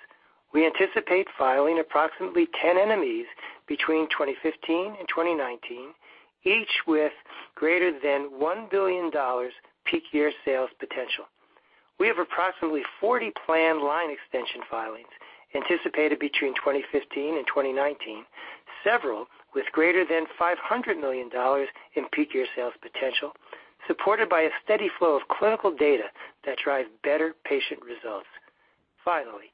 We anticipate filing approximately 10 NMEs between 2015 and 2019, each with greater than $1 billion peak year sales potential. We have approximately 40 planned line extension filings anticipated between 2015 and 2019, several with greater than $500 million in peak year sales potential, supported by a steady flow of clinical data that drives better patient results. Finally,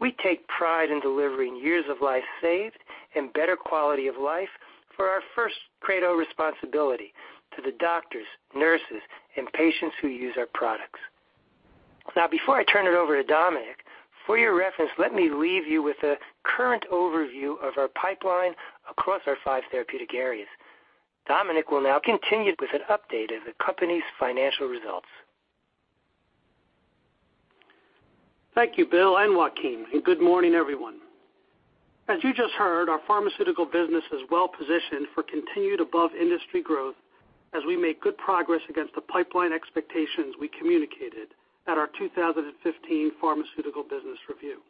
we take pride in delivering years of life saved and better quality of life for our first credo responsibility to the doctors, nurses, and patients who use our products. Now, before I turn it over to Dominic, for your reference, let me leave you with a current overview of our pipeline across our five therapeutic areas. Dominic will now continue with an update of the company's financial results. Thank you, Bill and Joaquin, and good morning, everyone. As you just heard, our pharmaceutical business is well-positioned for continued above-industry growth as we make good progress against the pipeline expectations we communicated at our 2015 pharmaceutical business review.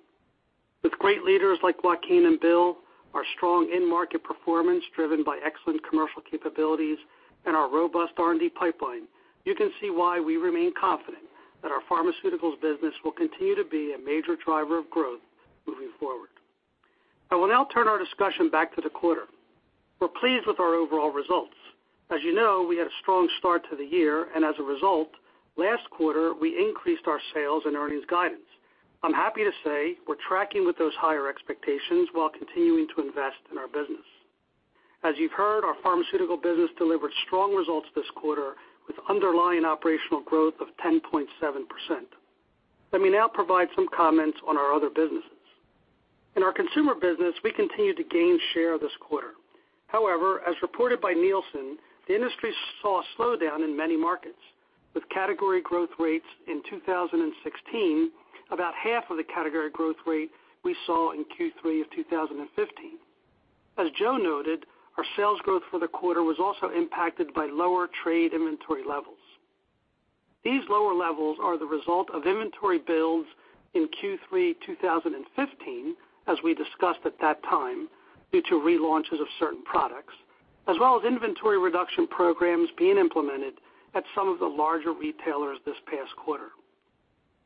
With great leaders like Joaquin and Bill, our strong in-market performance driven by excellent commercial capabilities, and our robust R&D pipeline, you can see why we remain confident that our pharmaceuticals business will continue to be a major driver of growth moving forward. I will now turn our discussion back to the quarter. We're pleased with our overall results. As you know, we had a strong start to the year, and as a result, last quarter, we increased our sales and earnings guidance. I'm happy to say we're tracking with those higher expectations while continuing to invest in our business. As you've heard, our pharmaceutical business delivered strong results this quarter with underlying operational growth of 10.7%. Let me now provide some comments on our other businesses. In our consumer business, we continued to gain share this quarter. However, as reported by Nielsen, the industry saw a slowdown in many markets, with category growth rates in 2016 about half of the category growth rate we saw in Q3 of 2015. As Joe noted, our sales growth for the quarter was also impacted by lower trade inventory levels. These lower levels are the result of inventory builds in Q3 2015, as we discussed at that time, due to relaunches of certain products, as well as inventory reduction programs being implemented at some of the larger retailers this past quarter.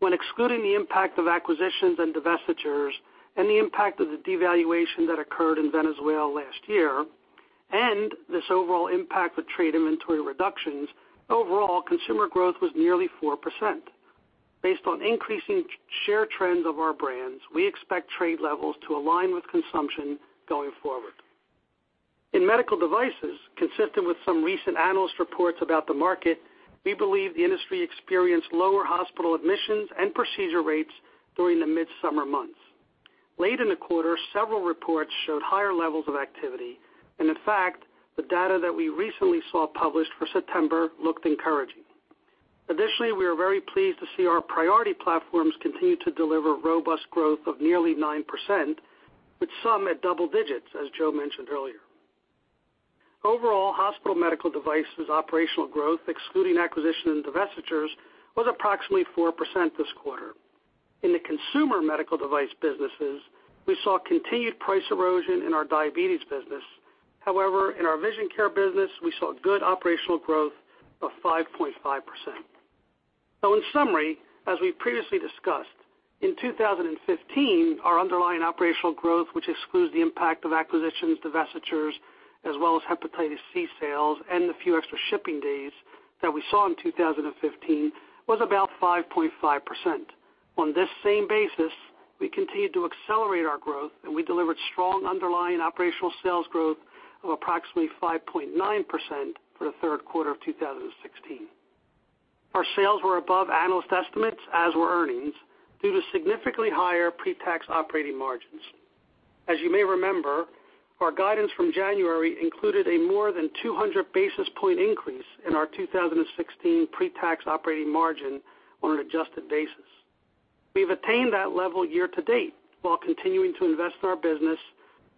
When excluding the impact of acquisitions and divestitures and the impact of the devaluation that occurred in Venezuela last year, and this overall impact with trade inventory reductions, overall consumer growth was nearly 4%. Based on increasing share trends of our brands, we expect trade levels to align with consumption going forward. In medical devices, consistent with some recent analyst reports about the market, we believe the industry experienced lower hospital admissions and procedure rates during the mid-summer months. Late in the quarter, several reports showed higher levels of activity, and in fact, the data that we recently saw published for September looked encouraging. Additionally, we are very pleased to see our priority platforms continue to deliver robust growth of nearly 9%, with some at double digits, as Joe mentioned earlier. Overall, hospital medical devices operational growth, excluding acquisition and divestitures, was approximately 4% this quarter. In the consumer medical device businesses, we saw continued price erosion in our diabetes business. However, in our vision care business, we saw good operational growth of 5.5%. In summary, as we previously discussed, in 2015, our underlying operational growth, which excludes the impact of acquisitions, divestitures, as well as hepatitis C sales and the few extra shipping days that we saw in 2015, was about 5.5%. On this same basis, we continued to accelerate our growth, and we delivered strong underlying operational sales growth of approximately 5.9% for the third quarter of 2016. Our sales were above analyst estimates, as were earnings, due to significantly higher pre-tax operating margins. As you may remember, our guidance from January included a more than 200 basis point increase in our 2016 pre-tax operating margin on an adjusted basis. We've attained that level year-to-date while continuing to invest in our business,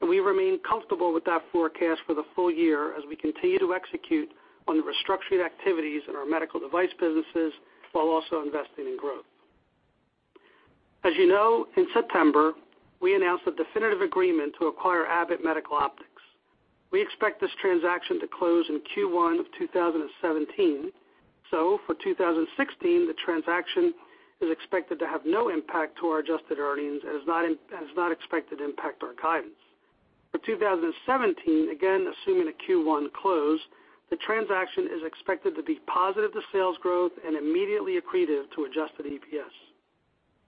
and we remain comfortable with that forecast for the full year as we continue to execute on the restructuring activities in our medical device businesses while also investing in growth. As you know, in September, we announced a definitive agreement to acquire Abbott Medical Optics. We expect this transaction to close in Q1 of 2017. For 2016, the transaction is expected to have no impact to our adjusted earnings and is not expected to impact our guidance. For 2017, again, assuming a Q1 close, the transaction is expected to be positive to sales growth and immediately accretive to adjusted EPS.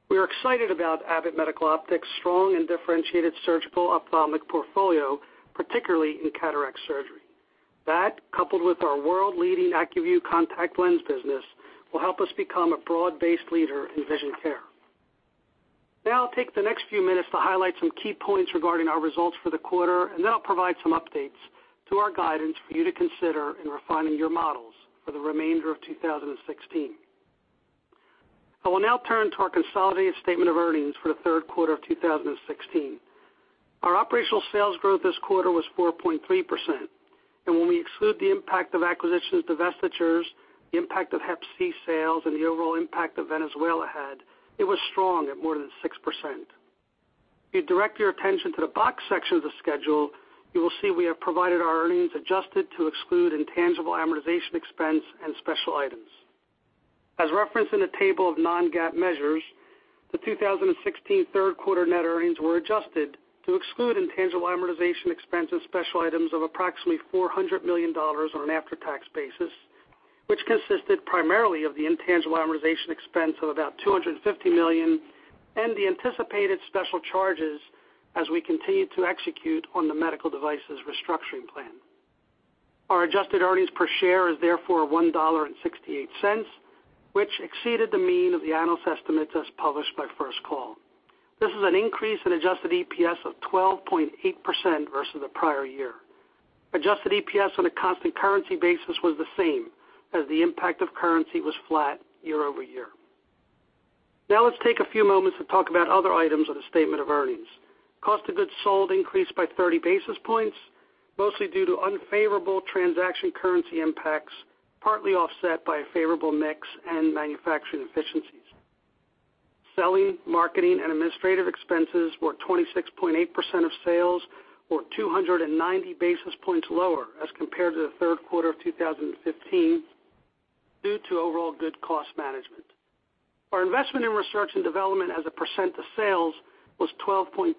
We are excited about Abbott Medical Optics' strong and differentiated surgical ophthalmic portfolio, particularly in cataract surgery. That, coupled with our world-leading ACUVUE contact lens business, will help us become a broad-based leader in vision care. Now I'll take the next few minutes to highlight some key points regarding our results for the quarter, and then I'll provide some updates to our guidance for you to consider in refining your models for the remainder of 2016. I will now turn to our consolidated statement of earnings for the third quarter of 2016. Our operational sales growth this quarter was 4.3%, and when we exclude the impact of acquisitions, divestitures, the impact of hep C sales, and the overall impact that Venezuela had, it was strong at more than 6%. If you direct your attention to the box section of the schedule, you will see we have provided our earnings adjusted to exclude intangible amortization expense and special items. As referenced in the table of non-GAAP measures, the 2016 third quarter net earnings were adjusted to exclude intangible amortization expense and special items of approximately $400 million on an after-tax basis, which consisted primarily of the intangible amortization expense of about $250 million and the anticipated special charges as we continued to execute on the medical devices restructuring plan. Our adjusted earnings per share is therefore $1.68, which exceeded the mean of the analyst estimates as published by First Call. This is an increase in adjusted EPS of 12.8% versus the prior year. Adjusted EPS on a constant currency basis was the same, as the impact of currency was flat year over year. Now let's take a few moments to talk about other items of the statement of earnings. Cost of goods sold increased by 30 basis points, mostly due to unfavorable transaction currency impacts, partly offset by a favorable mix and manufacturing efficiencies. Selling, marketing, and administrative expenses were 26.8% of sales or 290 basis points lower as compared to the third quarter of 2015 due to overall good cost management. Our investment in research and development as a percent of sales was 12.2%,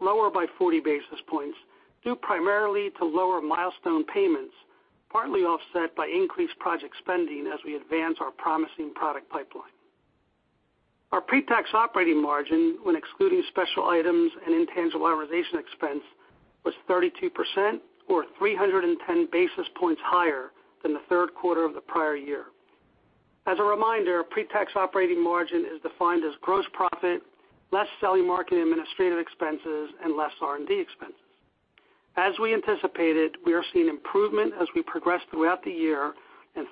lower by 40 basis points, due primarily to lower milestone payments, partly offset by increased project spending as we advance our promising product pipeline. Our pre-tax operating margin, when excluding special items and intangible amortization expense, was 32%, or 310 basis points higher than the third quarter of the prior year. As a reminder, pre-tax operating margin is defined as gross profit, less selling, marketing, and administrative expenses, and less R&D expenses. As we anticipated, we are seeing improvement as we progress throughout the year.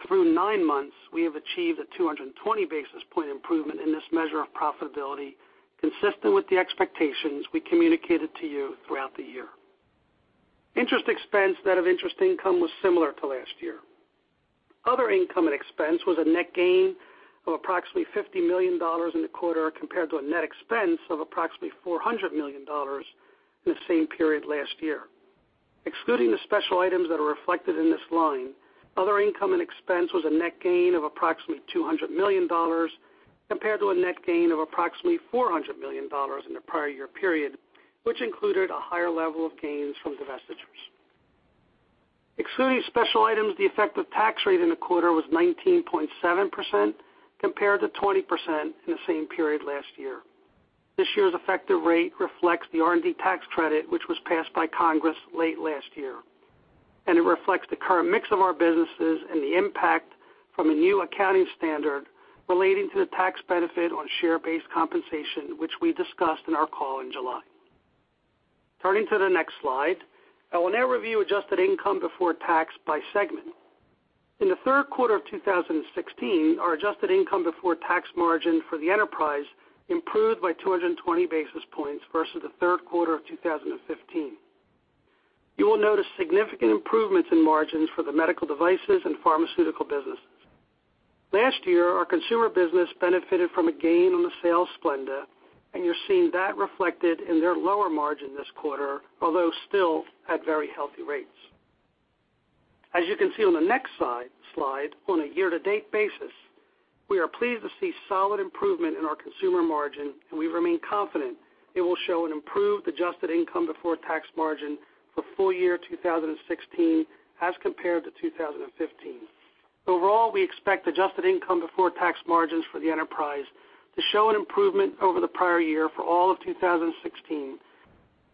Through nine months, we have achieved a 220 basis point improvement in this measure of profitability, consistent with the expectations we communicated to you throughout the year. Interest expense net of interest income was similar to last year. Other income and expense was a net gain of approximately $50 million in the quarter, compared to a net expense of approximately $400 million in the same period last year. Excluding the special items that are reflected in this line, other income and expense was a net gain of approximately $200 million, compared to a net gain of approximately $400 million in the prior year period, which included a higher level of gains from divestitures. Excluding special items, the effective tax rate in the quarter was 19.7% compared to 20% in the same period last year. This year's effective rate reflects the R&D tax credit, which was passed by Congress late last year. It reflects the current mix of our businesses and the impact from a new accounting standard relating to the tax benefit on share-based compensation, which we discussed in our call in July. Turning to the next slide. I will now review adjusted income before tax by segment. In the third quarter of 2016, our adjusted income before tax margin for the enterprise improved by 220 basis points versus the third quarter of 2015. You will notice significant improvements in margins for the medical devices and pharmaceutical businesses. Last year, our consumer business benefited from a gain on the sale of Splenda, and you're seeing that reflected in their lower margin this quarter, although still at very healthy rates. As you can see on the next slide, on a year-to-date basis, we are pleased to see solid improvement in our consumer margin. We remain confident it will show an improved adjusted income before tax margin for full year 2016 as compared to 2015. Overall, we expect adjusted income before tax margins for the enterprise to show an improvement over the prior year for all of 2016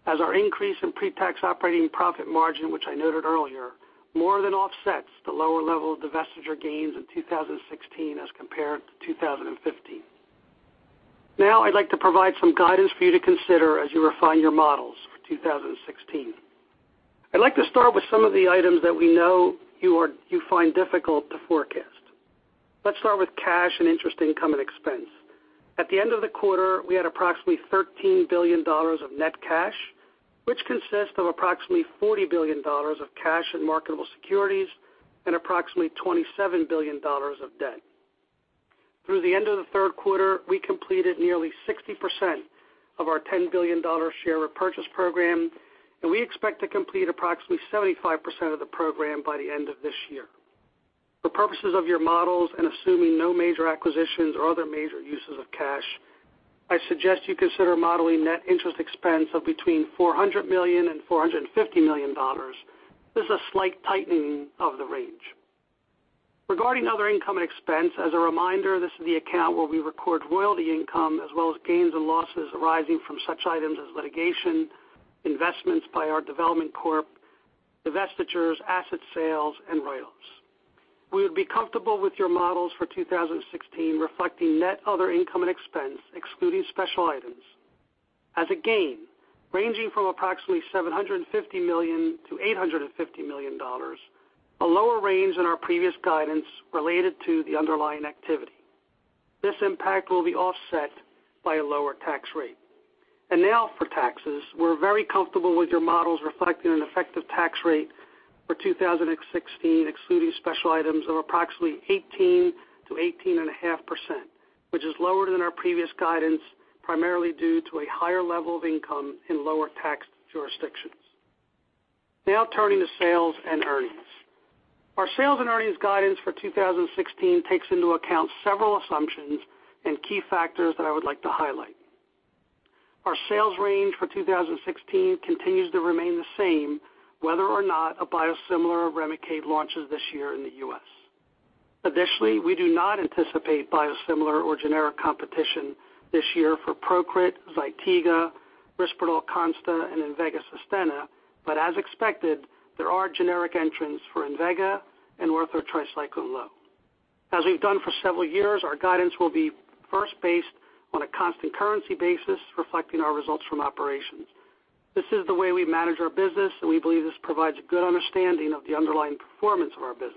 as our increase in pre-tax operating profit margin, which I noted earlier, more than offsets the lower level of divestiture gains in 2016 as compared to 2015. I'd like to provide some guidance for you to consider as you refine your models for 2016. I'd like to start with some of the items that we know you find difficult to forecast. Let's start with cash and interest income and expense. At the end of the quarter, we had approximately $13 billion of net cash, which consists of approximately $40 billion of cash in marketable securities and approximately $27 billion of debt. Through the end of the third quarter, we completed nearly 60% of our $10 billion share repurchase program, and we expect to complete approximately 75% of the program by the end of this year. For purposes of your models and assuming no major acquisitions or other major uses of cash, I suggest you consider modeling net interest expense of between $400 million and $450 million. This is a slight tightening of the range. Regarding other income and expense, as a reminder, this is the account where we record royalty income as well as gains and losses arising from such items as litigation, investments by our development corp, divestitures, asset sales, and royalties. We would be comfortable with your models for 2016 reflecting net other income and expense, excluding special items, as a gain ranging from approximately $750 million to $850 million, a lower range than our previous guidance related to the underlying activity. This impact will be offset by a lower tax rate. Now for taxes, we are very comfortable with your models reflecting an effective tax rate for 2016, excluding special items, of approximately 18%-18.5%, which is lower than our previous guidance, primarily due to a higher level of income in lower tax jurisdictions. Turning to sales and earnings. Our sales and earnings guidance for 2016 takes into account several assumptions and key factors that I would like to highlight. Our sales range for 2016 continues to remain the same, whether or not a biosimilar of REMICADE launches this year in the U.S. Additionally, we do not anticipate biosimilar or generic competition this year for PROCRIT, ZYTIGA, RISPERDAL CONSTA, and INVEGA SUSTENNA, as expected, there are generic entrants for INVEGA and Ortho Tri-Cyclen Lo. As we have done for several years, our guidance will be first based on a constant currency basis reflecting our results from operations. This is the way we manage our business, and we believe this provides a good understanding of the underlying performance of our business.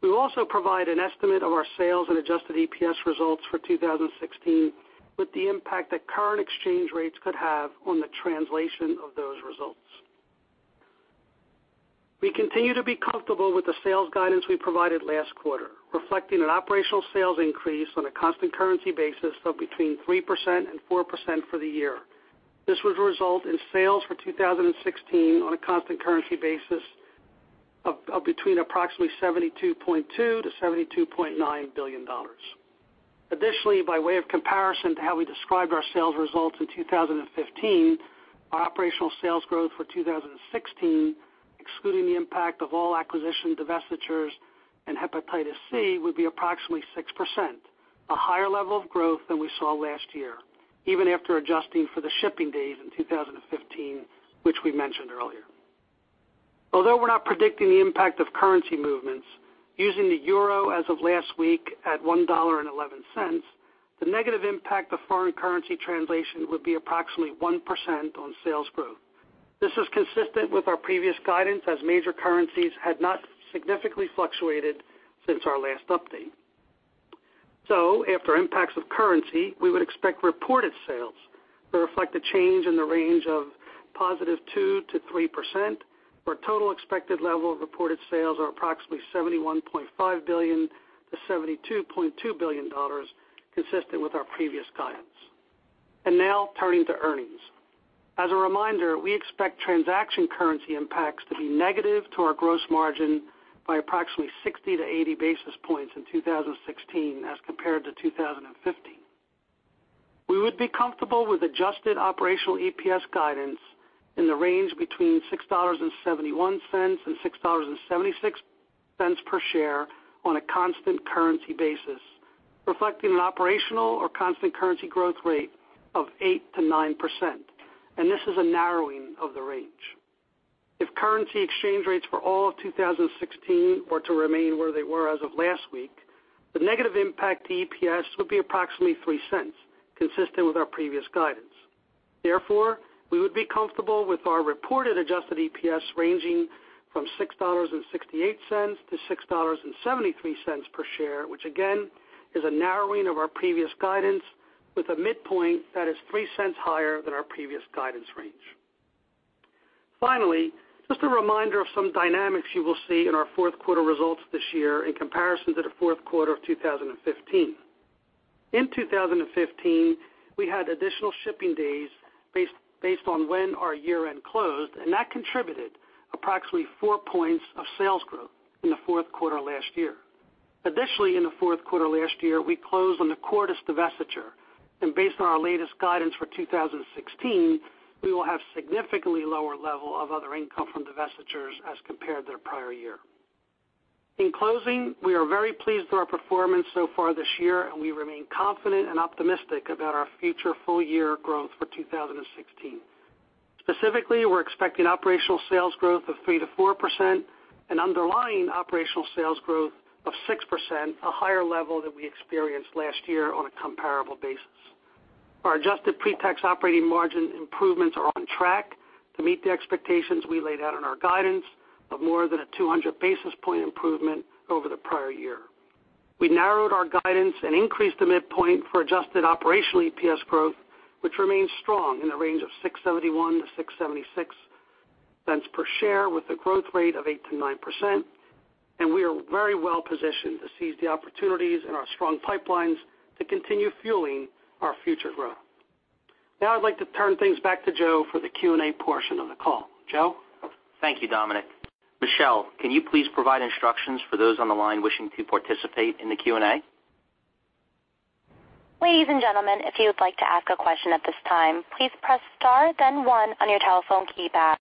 We will also provide an estimate of our sales and adjusted EPS results for 2016 with the impact that current exchange rates could have on the translation of those results. We continue to be comfortable with the sales guidance we provided last quarter, reflecting an operational sales increase on a constant currency basis of between 3%-4% for the year. This would result in sales for 2016 on a constant currency basis of between approximately $72.2 billion to $72.9 billion. Additionally, by way of comparison to how we described our sales results in 2015, our operational sales growth for 2016, excluding the impact of all acquisition divestitures and hepatitis C, would be approximately 6%, a higher level of growth than we saw last year, even after adjusting for the shipping days in 2015, which we mentioned earlier. Although we are not predicting the impact of currency movements, using the euro as of last week at $1.11, the negative impact of foreign currency translation would be approximately 1% on sales growth. This is consistent with our previous guidance as major currencies had not significantly fluctuated since our last update. After impacts of currency, we would expect reported sales to reflect a change in the range of positive 2%-3%, where total expected level of reported sales are approximately $71.5 billion-$72.2 billion, consistent with our previous guidance. Now turning to earnings. As a reminder, we expect transaction currency impacts to be negative to our gross margin by approximately 60-80 basis points in 2016 as compared to 2015. We would be comfortable with adjusted operational EPS guidance in the range between $6.71 and $6.76 per share on a constant currency basis, reflecting an operational or constant currency growth rate of 8%-9%. This is a narrowing of the range. If currency exchange rates for all of 2016 were to remain where they were as of last week, the negative impact to EPS would be approximately $0.03, consistent with our previous guidance. We would be comfortable with our reported adjusted EPS ranging from $6.68-$6.73 per share, which again, is a narrowing of our previous guidance with a midpoint that is $0.03 higher than our previous guidance range. Finally, just a reminder of some dynamics you will see in our fourth quarter results this year in comparison to the fourth quarter of 2015. In 2015, we had additional shipping days based on when our year-end closed. That contributed approximately 4 points of sales growth in the fourth quarter last year. Additionally, in the fourth quarter last year, we closed on the Cordis divestiture. Based on our latest guidance for 2016, we will have significantly lower level of other income from divestitures as compared to the prior year. In closing, we are very pleased with our performance so far this year. We remain confident and optimistic about our future full-year growth for 2016. Specifically, we're expecting operational sales growth of 3%-4% and underlying operational sales growth of 6%, a higher level than we experienced last year on a comparable basis. Our adjusted pre-tax operating margin improvements are on track to meet the expectations we laid out in our guidance of more than a 200 basis point improvement over the prior year. We narrowed our guidance and increased the midpoint for adjusted operational EPS growth, which remains strong in the range of $6.71-$6.76 per share with a growth rate of 8%-9%. We are very well-positioned to seize the opportunities in our strong pipelines to continue fueling our future growth. I'd like to turn things back to Joe for the Q&A portion of the call. Joe? Thank you, Dominic. Michelle, can you please provide instructions for those on the line wishing to participate in the Q&A? Ladies and gentlemen, if you would like to ask a question at this time, please press star then one on your telephone keypad.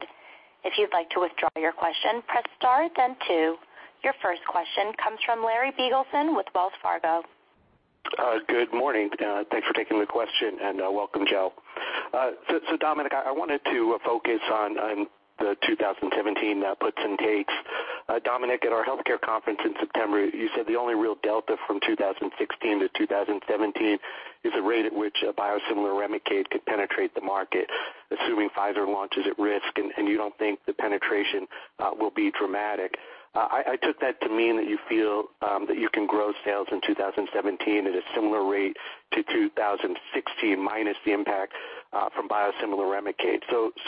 If you'd like to withdraw your question, press star then two. Your first question comes from Larry Biegelsen with Wells Fargo. Good morning. Thanks for taking the question, and welcome, Joe Wolk. Dominic Caruso, I wanted to focus on the 2017 puts and takes. Dominic Caruso, at our healthcare conference in September, you said the only real delta from 2016 to 2017 is the rate at which biosimilar REMICADE could penetrate the market, assuming Pfizer launch is at risk, and you don't think the penetration will be dramatic. I took that to mean that you feel that you can grow sales in 2017 at a similar rate to 2016, minus the impact from biosimilar REMICADE.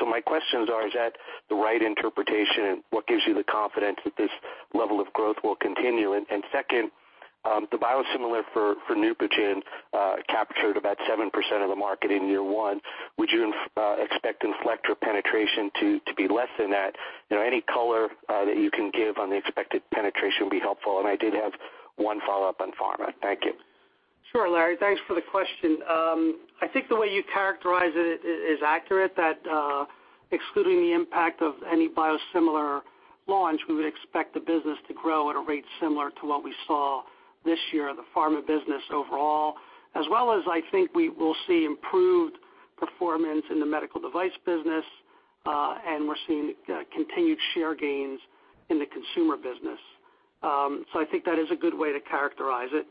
My questions are: Is that the right interpretation? What gives you the confidence that this level of growth will continue? Second, the biosimilar for NEUPOGEN captured about 7% of the market in year one. Would you expect INFLECTRA penetration to be less than that? Any color that you can give on the expected penetration would be helpful. I did have one follow-up on pharma. Thank you. Sure, Larry. Thanks for the question. I think the way you characterize it is accurate, that excluding the impact of any biosimilar launch, we would expect the business to grow at a rate similar to what we saw this year in the pharma business overall. As well as I think we will see improved performance in the medical device business, and we're seeing continued share gains in the consumer business. I think that is a good way to characterize it.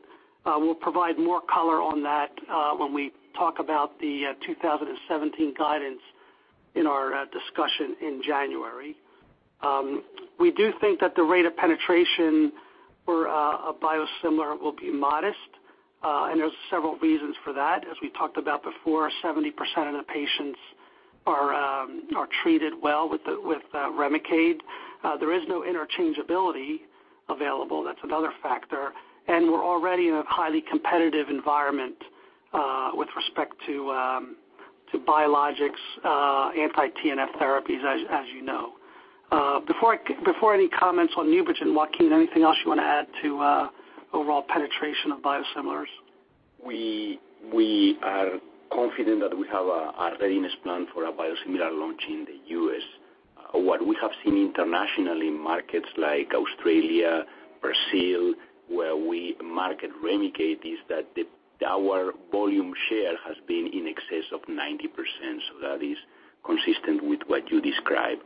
We'll provide more color on that when we talk about the 2017 guidance in our discussion in January. We do think that the rate of penetration for a biosimilar will be modest, and there's several reasons for that. As we talked about before, 70% of the patients are treated well with REMICADE. There is no interchangeability available, that's another factor, and we're already in a highly competitive environment with respect to biologics anti-TNF therapies, as you know. Before any comments on NEUPOGEN, Joaquin, anything else you want to add to overall penetration of biosimilars? We are confident that we have a readiness plan for a biosimilar launch in the U.S. What we have seen internationally in markets like Australia, Brazil, where we market REMICADE, is that our volume share has been in excess of 90%, that is consistent with what you described.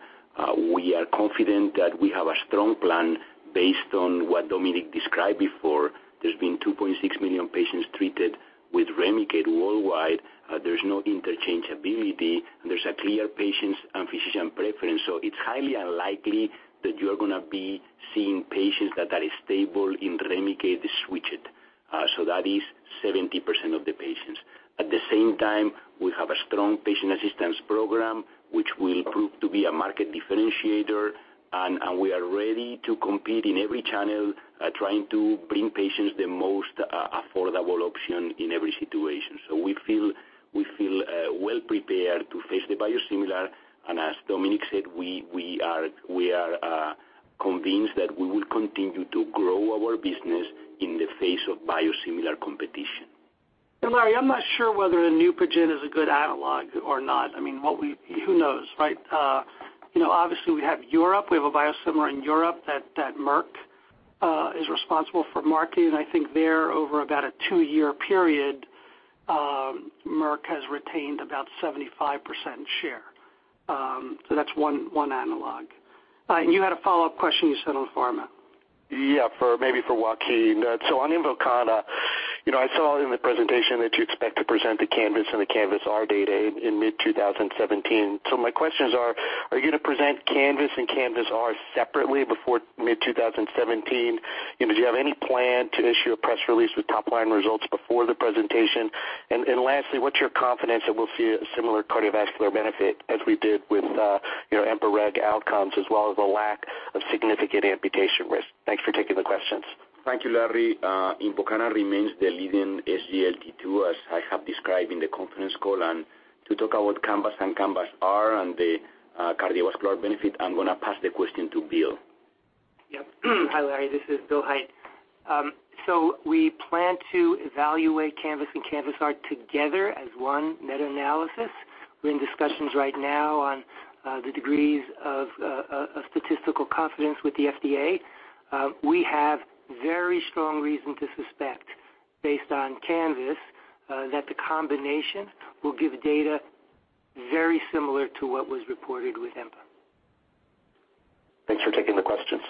We are confident that we have a strong plan based on what Dominic described before. There's been 2.6 million patients treated with REMICADE worldwide. There's no interchangeability, and there's a clear patients and physician preference. It's highly unlikely that you're going to be seeing patients that are stable in REMICADE switched. That is 70% of the patients. At the same time, we have a strong patient assistance program, which will prove to be a market differentiator, and we are ready to compete in every channel trying to bring patients the most affordable option in every situation. We feel well prepared to face the biosimilar, and as Dominic said, we are convinced that we will continue to grow our business in the face of biosimilar competition. Larry, I am not sure whether NEUPOGEN is a good analog or not. Who knows, right? Obviously, we have Europe. We have a biosimilar in Europe that Merck is responsible for marketing, and I think there, over about a two-year period, Merck has retained about 75% share. That is one analog. You had a follow-up question, you said, on pharma. Maybe for Joaquin. On INVOKANA, I saw in the presentation that you expect to present the CANVAS and the CANVAS-R data in mid-2017. My questions are: Are you going to present CANVAS and CANVAS-R separately before mid-2017? Do you have any plan to issue a press release with top-line results before the presentation? Lastly, what is your confidence that we will see a similar cardiovascular benefit as we did with EMPA-REG OUTCOME, as well as a lack of significant amputation risk? Thanks for taking the questions. Thank you, Larry. INVOKANA remains the leading SGLT2, as I have described in the conference call. To talk about CANVAS and CANVAS-R and the cardiovascular benefit, I am going to pass the question to Bill. Hi, Larry. This is Bill Hait. We plan to evaluate CANVAS and CANVAS-R together as one meta-analysis. We are in discussions right now on the degrees of statistical confidence with the FDA. We have very strong reason to suspect, based on CANVAS, that the combination will give data very similar to what was reported with EMPA-REG OUTCOME. Thanks for taking the questions.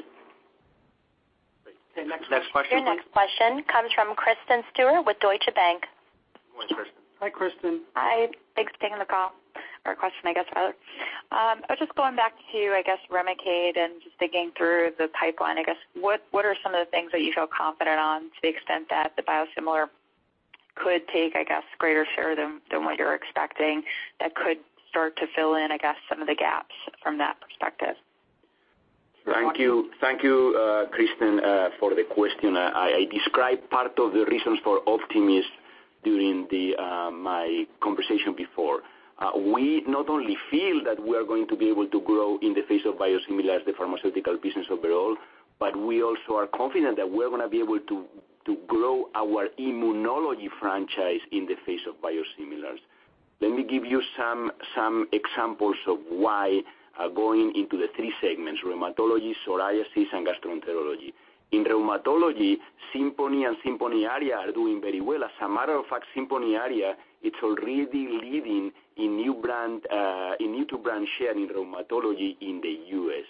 Great. Next question, please. Your next question comes from Kristen Stewart with Deutsche Bank. Good morning, Kristen. Hi, Kristen. Hi. Thanks for taking the call. Or question, I guess, rather. Just going back to, I guess, REMICADE and just thinking through the pipeline, I guess, what are some of the things that you feel confident on to the extent that the biosimilar could take, I guess, greater share than what you're expecting that could start to fill in, I guess, some of the gaps from that perspective? Thank you. Thank you, Kristen, for the question. I described part of the reasons for optimism during my conversation before. We not only feel that we are going to be able to grow in the face of biosimilars, the pharmaceutical business overall, but we also are confident that we're going to be able to grow our immunology franchise in the face of biosimilars. Let me give you some examples of why, going into the three segments, rheumatology, psoriasis, and gastroenterology. In rheumatology, SIMPONI and SIMPONI ARIA are doing very well. As a matter of fact, SIMPONI ARIA, it's already leading in new-to-brand share in rheumatology in the U.S.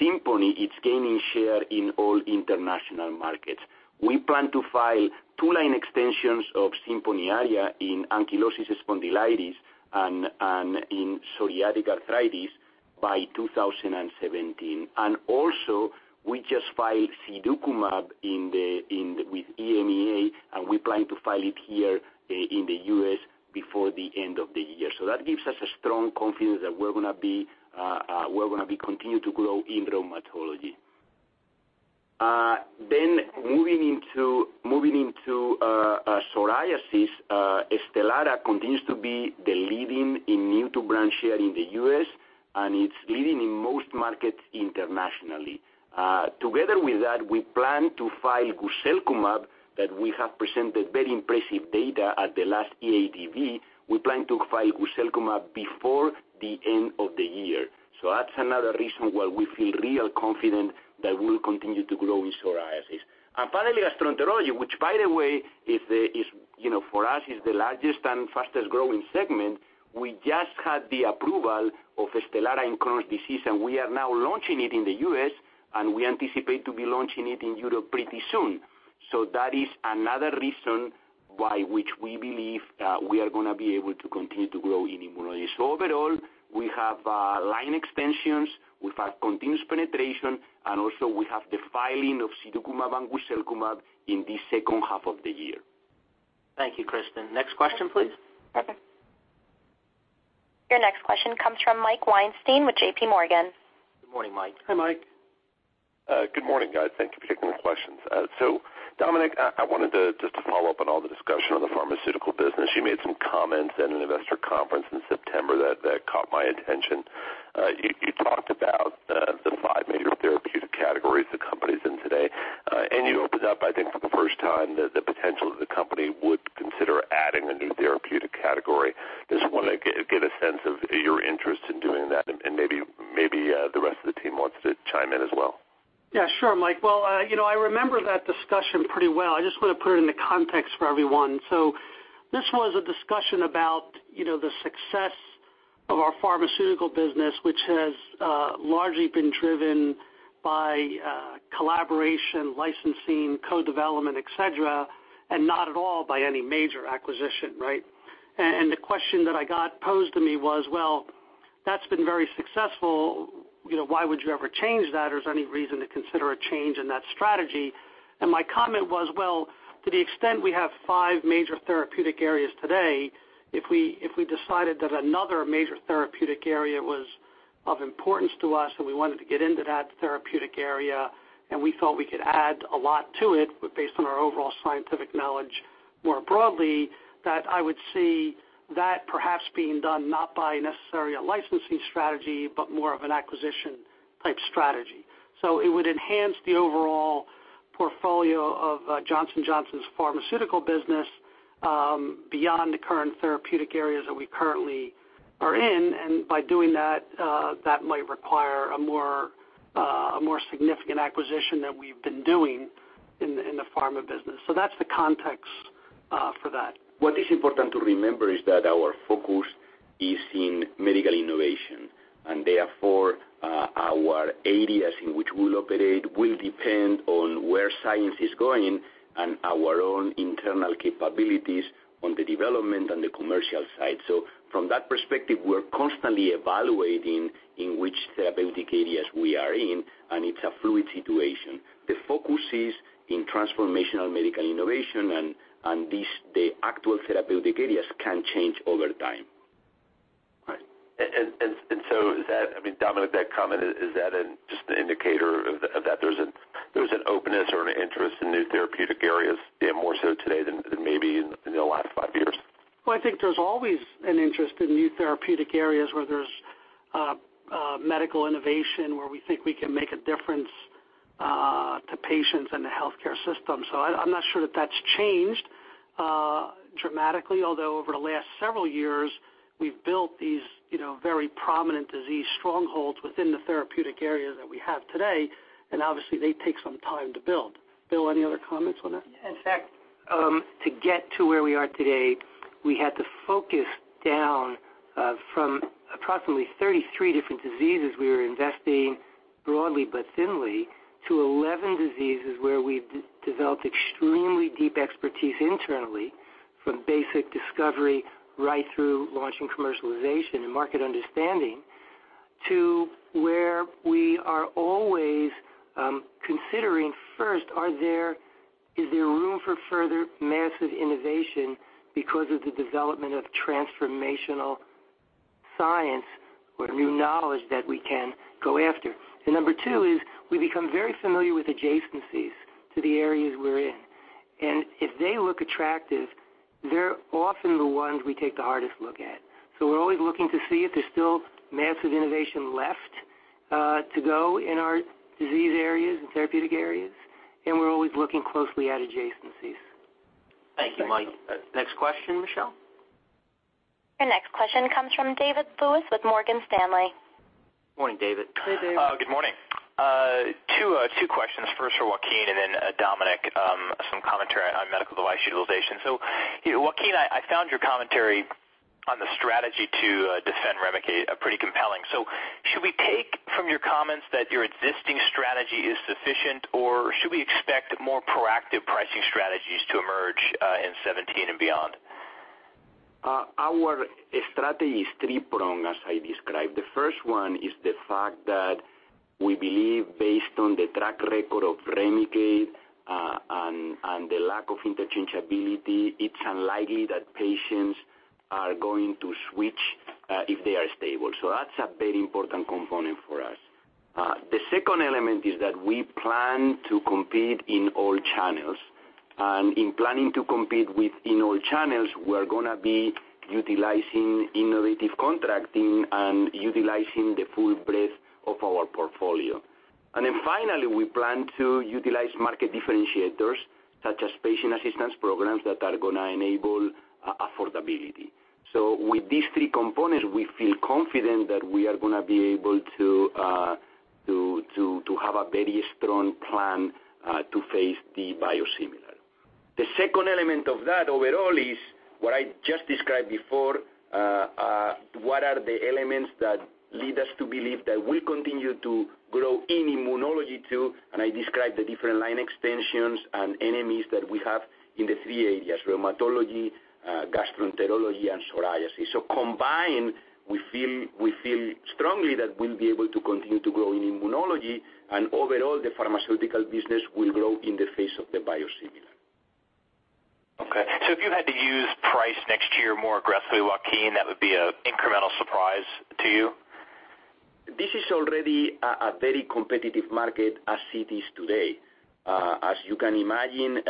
SIMPONI, it's gaining share in all international markets. We plan to file two line extensions of SIMPONI ARIA in ankylosing spondylitis and in psoriatic arthritis by 2017. Also, we just filed sirukumab with EMA, and we plan to file it here in the U.S. before the end of the year. That gives us a strong confidence that we're going to be continue to grow in rheumatology. Moving into psoriasis, STELARA continues to be the leading in new-to-brand share in the U.S., and it's leading in most markets internationally. Together with that, we plan to file guselkumab that we have presented very impressive data at the last EADV. We plan to file guselkumab before the end of the year. That's another reason why we feel real confident that we'll continue to grow in psoriasis. Finally, gastroenterology, which by the way, for us, is the largest and fastest-growing segment. We just had the approval of STELARA in Crohn's disease, and we are now launching it in the U.S., and we anticipate to be launching it in Europe pretty soon. That is another reason why which we believe we are going to be able to continue to grow in immunology. Overall, we have line extensions, we have continuous penetration, and also we have the filing of sirukumab and guselkumab in the second half of the year. Thank you, Kristen. Next question, please. Your next question comes from Mike Weinstein with JPMorgan. Good morning, Mike. Hi, Mike. Good morning, guys. Thank you for taking the questions. Dominic, I wanted to just to follow up on all the discussion on the pharmaceutical business. You made some comments at an investor conference in September that caught my attention. You talked about the 5 major therapeutic categories the company's in today. You opened up, I think for the first time, the potential that the company would consider adding a new therapeutic category. Just want to get a sense of your interest in doing that, and maybe the rest of the team wants to chime in as well. Yeah, sure, Mike. Well, I remember that discussion pretty well. I just want to put it into context for everyone. This was a discussion about the success of our pharmaceutical business, which has largely been driven by collaboration, licensing, co-development, et cetera, and not at all by any major acquisition, right? The question that I got posed to me was, "Well, that's been very successful. Why would you ever change that, or is there any reason to consider a change in that strategy?" My comment was, "Well, to the extent we have 5 major therapeutic areas today, if we decided that another major therapeutic area was of importance to us, and we wanted to get into that therapeutic area, and we thought we could add a lot to it based on our overall scientific knowledge more broadly, that I would see that perhaps being done not by necessarily a licensing strategy, but more of an acquisition type strategy. It would enhance the overall portfolio of Johnson & Johnson's pharmaceutical business beyond the current therapeutic areas that we currently are in. By doing that might require a more significant acquisition than we've been doing in the pharma business. That's the context for that. What is important to remember is that our focus is in medical innovation, therefore, our areas in which we'll operate will depend on where science is going and our own internal capabilities on the development and the commercial side. From that perspective, we're constantly evaluating in which therapeutic areas we are in, and it's a fluid situation. The focus is in transformational medical innovation and the actual therapeutic areas can change over time. Right. Is that, Dominic, that comment, is that just an indicator of that there's an openness or an interest in new therapeutic areas more so today than maybe in the last five years? Well, I think there's always an interest in new therapeutic areas where there's medical innovation, where we think we can make a difference to patients and the healthcare system. I'm not sure that that's changed dramatically. Although over the last several years, we've built these very prominent disease strongholds within the therapeutic area that we have today, and obviously, they take some time to build. Bill, any other comments on that? In fact, to get to where we are today, we had to focus down from approximately 33 different diseases we were investing broadly but thinly, to 11 diseases where we've developed extremely deep expertise internally, from basic discovery right through launch and commercialization and market understanding, to where we are always considering first, is there room for further massive innovation because of the development of transformational science or new knowledge that we can go after? Number two is we become very familiar with adjacencies to the areas we're in. If they look attractive, they're often the ones we take the hardest look at. We're always looking to see if there's still massive innovation left to go in our disease areas and therapeutic areas, and we're always looking closely at adjacencies. Thank you, Mike. Next question, Michelle. Your next question comes from David Lewis with Morgan Stanley. Morning, David. Hey, David. Good morning. Two questions. First for Joaquin and then Dominic, some commentary on medical device utilization. Joaquin, I found your commentary on the strategy to defend REMICADE pretty compelling. Should we take from your comments that your existing strategy is sufficient, or should we expect more proactive pricing strategies to emerge in 2017 and beyond? Our strategy is three-pronged, as I described. The first one is the fact that we believe based on the track record of REMICADE and the lack of interchangeability, it's unlikely that patients are going to switch if they are stable. That's a very important component for us. The second element is that we plan to compete in all channels. In planning to compete within all channels, we're going to be utilizing innovative contracting and utilizing the full breadth of our portfolio. We plan to utilize market differentiators such as patient assistance programs that are going to enable affordability. With these three components, we feel confident that we are going to be able to have a very strong plan to face the biosimilar. The second element of that overall is what I just described before. What are the elements that lead us to believe that we'll continue to grow in immunology too, and I described the different line extensions and NMEs that we have in the three areas, rheumatology, gastroenterology, and psoriasis. Combined, we feel strongly that we'll be able to continue to grow in immunology, and overall the pharmaceutical business will grow in the face of the biosimilar. If you had to use price next year more aggressively, Joaquin, that would be an incremental surprise to you? This is already a very competitive market as it is today. As you can imagine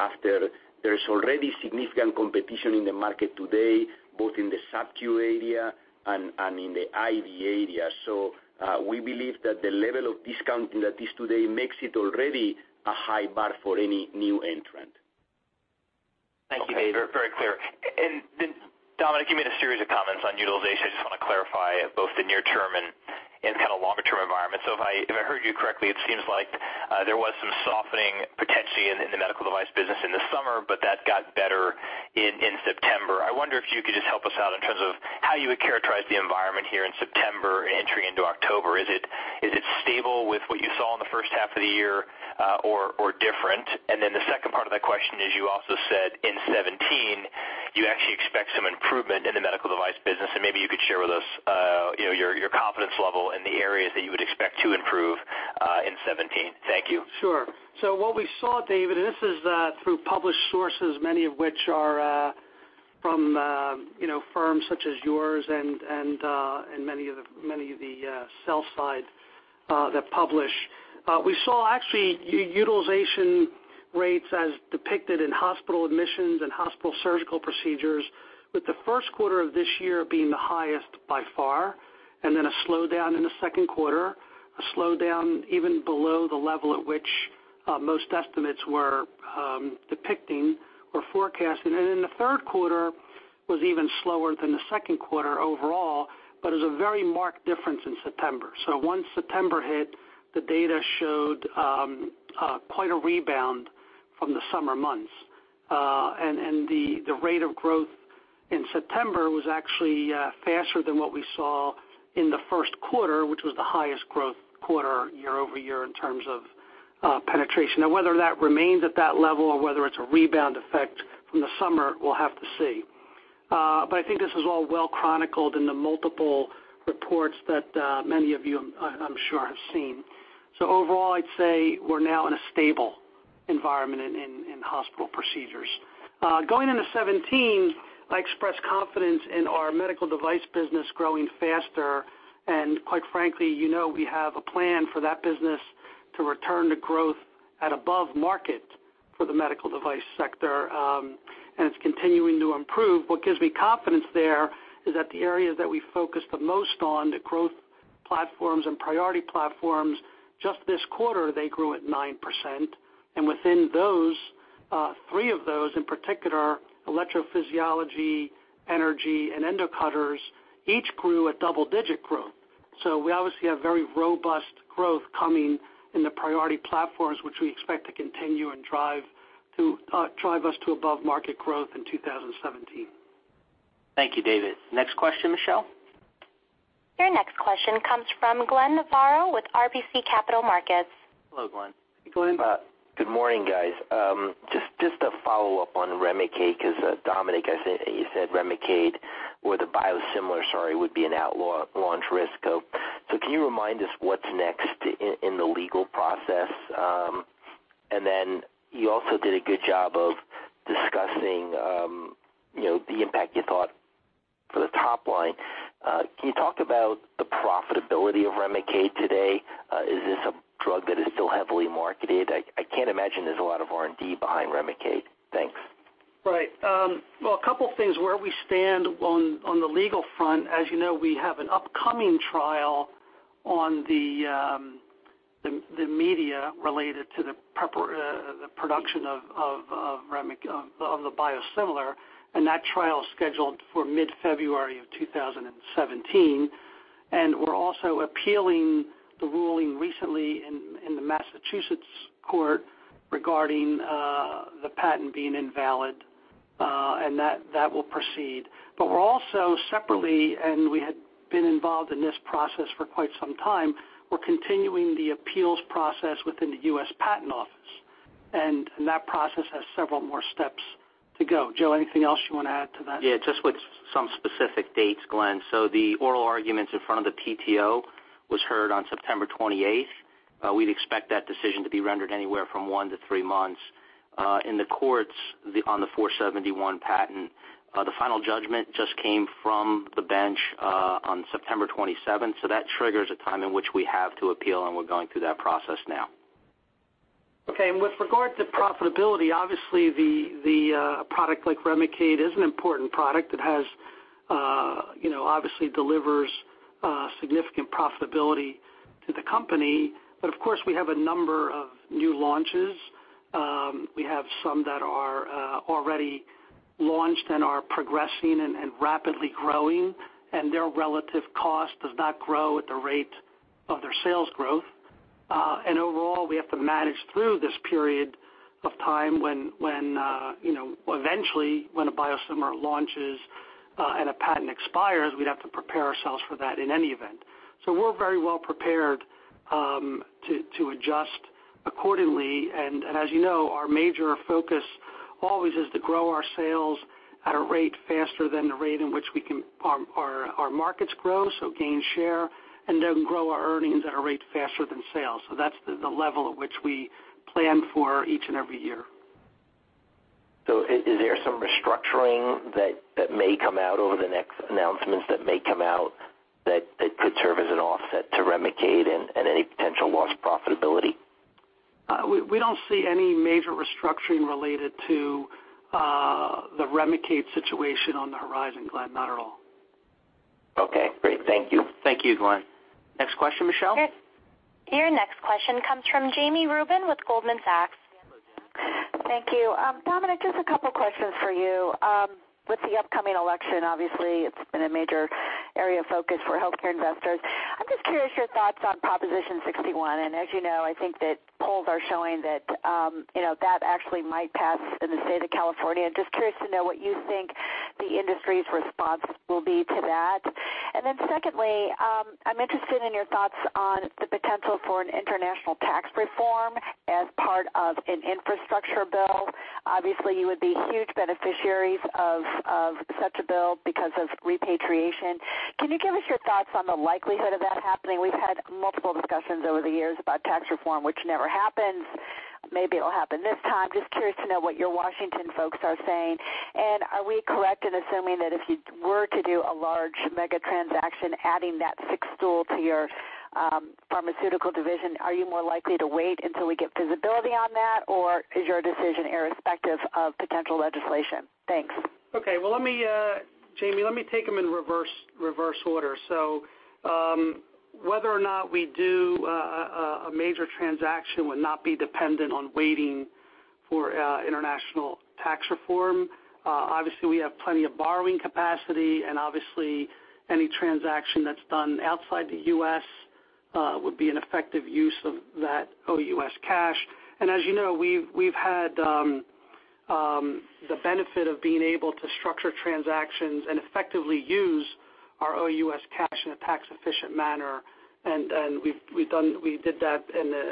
after there's already significant competition in the market today, both in the subcu area and in the IV area. We believe that the level of discounting that is today makes it already a high bar for any new entrant. Thank you, David. Very clear. Dominic, you made a series of comments on utilization. I just want to clarify both the near term and kind of longer term environment. If I heard you correctly, it seems like there was some softening potentially in the medical device business in the summer, but that got better in September. I wonder if you could just help us out in terms of how you would characterize the environment here in September entering into October. Is it stable with what you saw in the first half of the year or different? The second part of that question is, you also said in 2017 you actually expect some improvement in the medical device business, and maybe you could share with us your confidence level and the areas that you would expect to improve in 2017. Thank you. Sure. What we saw, David, and this is through published sources, many of which are from firms such as yours and many of the sell side that publish. We saw actually utilization rates as depicted in hospital admissions and hospital surgical procedures, with the first quarter of this year being the highest by far, a slowdown in the second quarter, a slowdown even below the level at which most estimates were depicting or forecasting. The third quarter was even slower than the second quarter overall, but it was a very marked difference in September. Once September hit, the data showed quite a rebound from the summer months. The rate of growth in September was actually faster than what we saw in the first quarter, which was the highest growth quarter year-over-year in terms of penetration. Whether that remains at that level or whether it's a rebound effect from the summer, we'll have to see. I think this is all well chronicled in the multiple reports that many of you, I'm sure, have seen. Overall, I'd say we're now in a stable environment in hospital procedures. Going into 2017, I express confidence in our medical device business growing faster, and quite frankly, you know we have a plan for that business to return to growth at above market for the medical device sector, and it's continuing to improve. What gives me confidence there is that the areas that we focus the most on, the growth platforms and priority platforms, just this quarter, they grew at 9%. Within those, three of those in particular, electrophysiology, energy, and endocutters, each grew at double-digit growth. We obviously have very robust growth coming in the priority platforms, which we expect to continue and drive us to above-market growth in 2017. Thank you, David. Next question, Michelle. Your next question comes from Glenn Novarro with RBC Capital Markets. Hello, Glenn. Hey, Glenn. Good morning, guys. Just a follow-up on REMICADE, because Dominic, you said REMICADE or the biosimilar, sorry, would be an out launch risk. Can you remind us what's next in the legal process? You also did a good job of discussing the impact you thought for the top line. Can you talk about the profitability of REMICADE today? Is this a drug that is still heavily marketed? I can't imagine there's a lot of R&D behind REMICADE. Thanks. Right. Well, a couple of things. Where we stand on the legal front, as you know, we have an upcoming trial on the media related to the production of the biosimilar. That trial is scheduled for mid-February of 2017. We're also appealing the ruling recently in the Massachusetts court regarding the patent being invalid. That will proceed. We're also separately, and we had been involved in this process for quite some time, we're continuing the appeals process within the U.S. Patent Office. That process has several more steps to go. Joe, anything else you want to add to that? Yeah, just with some specific dates, Glenn. The oral arguments in front of the PTO was heard on September 28th. We'd expect that decision to be rendered anywhere from one to three months. In the courts, on the 471 patent, the final judgment just came from the bench on September 27th, that triggers a time in which we have to appeal, and we're going through that process now. Okay, with regard to profitability, obviously a product like REMICADE is an important product that obviously delivers significant profitability to the company. Of course, we have a number of new launches. We have some that are already launched and are progressing and rapidly growing, and their relative cost does not grow at the rate of their sales growth. Overall, we have to manage through this period of time when eventually, when a biosimilar launches and a patent expires, we'd have to prepare ourselves for that in any event. We're very well prepared to adjust accordingly. As you know, our major focus always is to grow our sales at a rate faster than the rate in which our markets grow, so gain share, and then grow our earnings at a rate faster than sales. That's the level at which we plan for each and every year. Is there some restructuring that may come out over the next announcements that may come out that could serve as an offset to REMICADE and any potential lost profitability? We don't see any major restructuring related to the REMICADE situation on the horizon, Glenn. Not at all. Okay, great. Thank you. Thank you, Glenn. Next question, Michelle. Your next question comes from Jami Rubin with Goldman Sachs. Hello, Jami. Thank you. Dominic, just a couple questions for you. With the upcoming election, obviously, it's been a major area of focus for healthcare investors. I'm just curious your thoughts on Proposition 61, and as you know, I think that polls are showing that actually might pass in the state of California. Just curious to know what you think the industry's response will be to that. Secondly, I'm interested in your thoughts on the potential for an international tax reform as part of an infrastructure bill. Obviously, you would be huge beneficiaries of such a bill because of repatriation. Can you give us your thoughts on the likelihood of that happening? We've had multiple discussions over the years about tax reform, which never happens. Maybe it'll happen this time. Just curious to know what your Washington folks are saying. Are we correct in assuming that if you were to do a large mega transaction, adding that sixth tool to your pharmaceutical division, are you more likely to wait until we get visibility on that, or is your decision irrespective of potential legislation? Thanks. Well, Jami, let me take them in reverse order. Whether or not we do a major transaction would not be dependent on waiting for international tax reform. Obviously, we have plenty of borrowing capacity, and obviously, any transaction that's done outside the U.S. would be an effective use of that OUS cash. As you know, we've had the benefit of being able to structure transactions and effectively use our OUS cash in a tax-efficient manner. We did that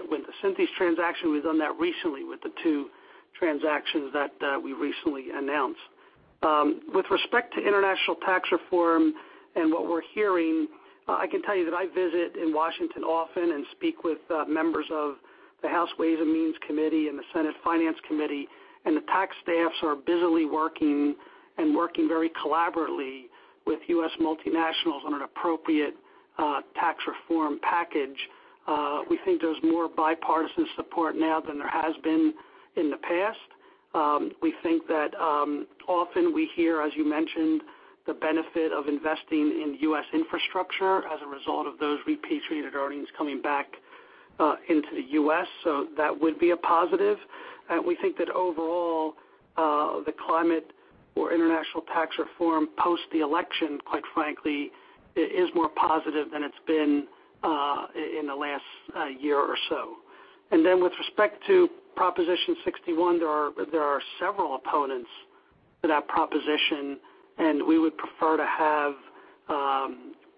with the Synthes transaction, we've done that recently with the two transactions that we recently announced. With respect to international tax reform and what we're hearing, I can tell you that I visit in Washington often and speak with members of the House Ways and Means Committee and the Senate Finance Committee, and the tax staffs are busily working and working very collaboratively with U.S. multinationals on an appropriate tax reform package. We think there's more bipartisan support now than there has been in the past. We think that often we hear, as you mentioned, the benefit of investing in U.S. infrastructure as a result of those repatriated earnings coming back into the U.S., so that would be a positive. We think that overall, the climate for international tax reform post the election, quite frankly, is more positive than it's been in the last year or so. Then with respect to Proposition 61, there are several opponents to that proposition, and we would prefer to have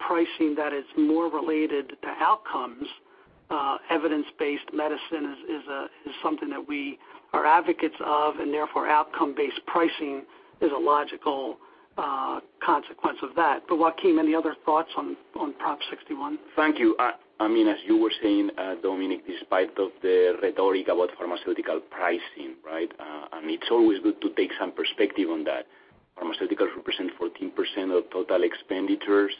pricing that is more related to outcomes. Evidence-based medicine is something that we are advocates of, and therefore, outcome-based pricing is a logical consequence of that. Joaquin, any other thoughts on Prop 61? Thank you. As you were saying, Dominic, despite of the rhetoric about pharmaceutical pricing, it's always good to take some perspective on that. Pharmaceuticals represent 14% of total expenditures,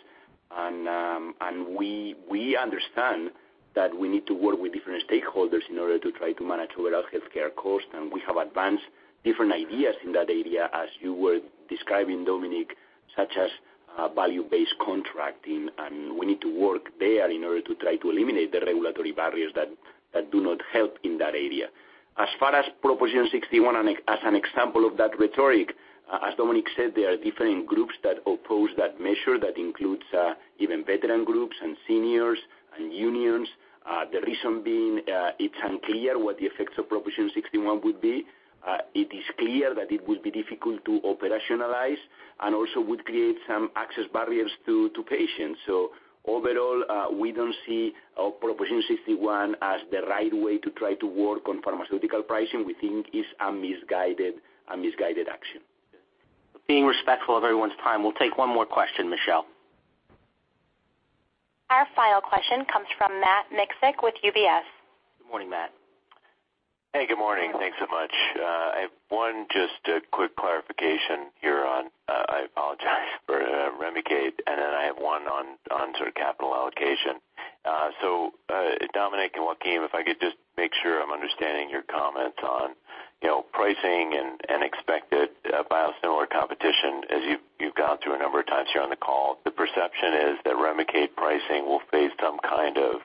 and we understand that we need to work with different stakeholders in order to try to manage overall healthcare costs. We have advanced different ideas in that area, as you were describing, Dominic, such as value-based contracting, and we need to work there in order to try to eliminate the regulatory barriers that do not help in that area. As far as Proposition 61, as an example of that rhetoric, as Dominic said, there are different groups that oppose that measure. That includes even veteran groups and seniors and unions. The reason being, it's unclear what the effects of Proposition 61 would be. It is clear that it would be difficult to operationalize, and also would create some access barriers to patients. Overall, we don't see Proposition 61 as the right way to try to work on pharmaceutical pricing. We think it's a misguided action. Being respectful of everyone's time, we'll take one more question, Michelle. Our final question comes from Matt Miksic with UBS. Good morning, Matt. Hey, good morning. Thanks so much. I have one just a quick clarification here on, I apologize for REMICADE, and then I have one on sort of capital allocation. Dominic and Joaquin, if I could just make sure I'm understanding your comments on pricing and expected biosimilar competition. As you've gone through a number of times here on the call, the perception is that REMICADE pricing will face some kind of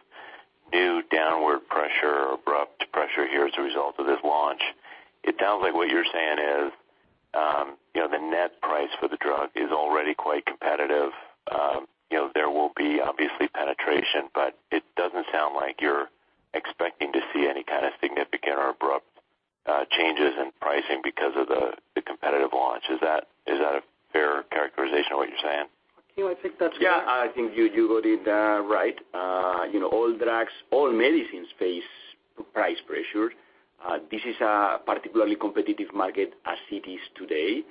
new downward pressure or abrupt pressure here as a result of this launch. It sounds like what you're saying is the net price for the drug is already quite competitive. There will be obviously penetration, it doesn't sound like you're expecting to see any kind of significant or abrupt changes in pricing because of the competitive launch. Is that a fair characterization of what you're saying? Joaquin, I think that's- Yeah, I think you got it right. All drugs, all medicines face price pressures. This is a particularly competitive market as it is today,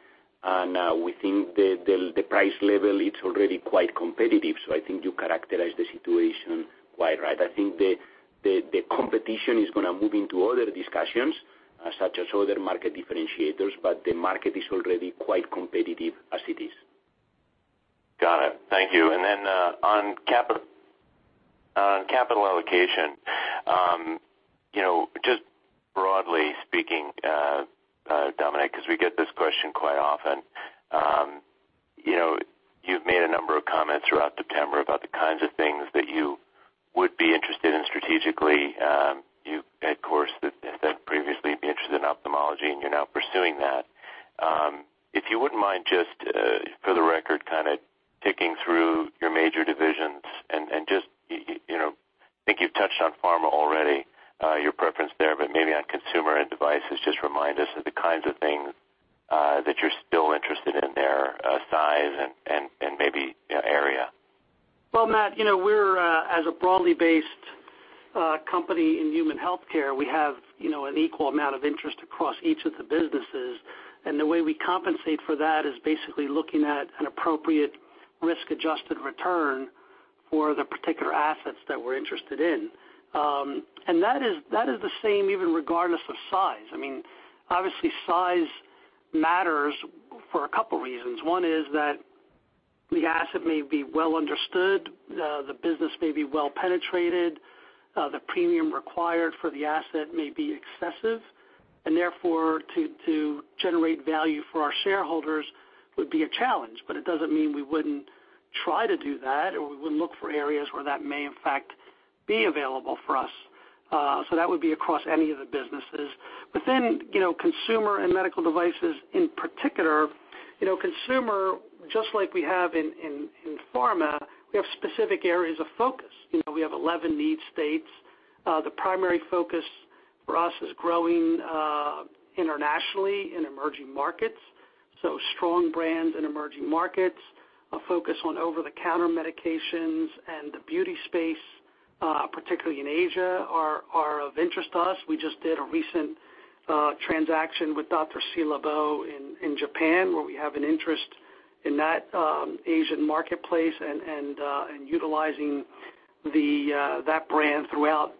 we think the price level, it's already quite competitive. I think you characterize the situation quite right. I think the competition is going to move into other discussions, such as other market differentiators, but the market is already quite competitive as it is. Got it. Thank you. Then on capital allocation. Just broadly speaking, Dominic, because we get this question quite often. You've made a number of comments throughout September about the kinds of things that you would be interested in strategically. You had previously been interested in ophthalmology, and you're now pursuing that. If you wouldn't mind just for the record, kind of ticking through your major divisions. I think you've touched on pharma already, your preference there, but maybe on consumer and devices, just remind us of the kinds of things that you're still Their size and maybe area. Well, Matt, as a broadly based company in human healthcare, we have an equal amount of interest across each of the businesses. The way we compensate for that is basically looking at an appropriate risk-adjusted return for the particular assets that we're interested in. That is the same even regardless of size. Obviously size matters for a couple of reasons. One is that the asset may be well understood, the business may be well penetrated, the premium required for the asset may be excessive, and therefore to generate value for our shareholders would be a challenge. It doesn't mean we wouldn't try to do that or we wouldn't look for areas where that may in fact be available for us. That would be across any of the businesses. Consumer and medical devices in particular, consumer, just like we have in pharma, we have specific areas of focus. We have 11 need states. The primary focus for us is growing internationally in emerging markets. Strong brands in emerging markets, a focus on over-the-counter medications and the beauty space, particularly in Asia, are of interest to us. We just did a recent transaction with Dr.Ci:Labo in Japan, where we have an interest in that Asian marketplace and utilizing that brand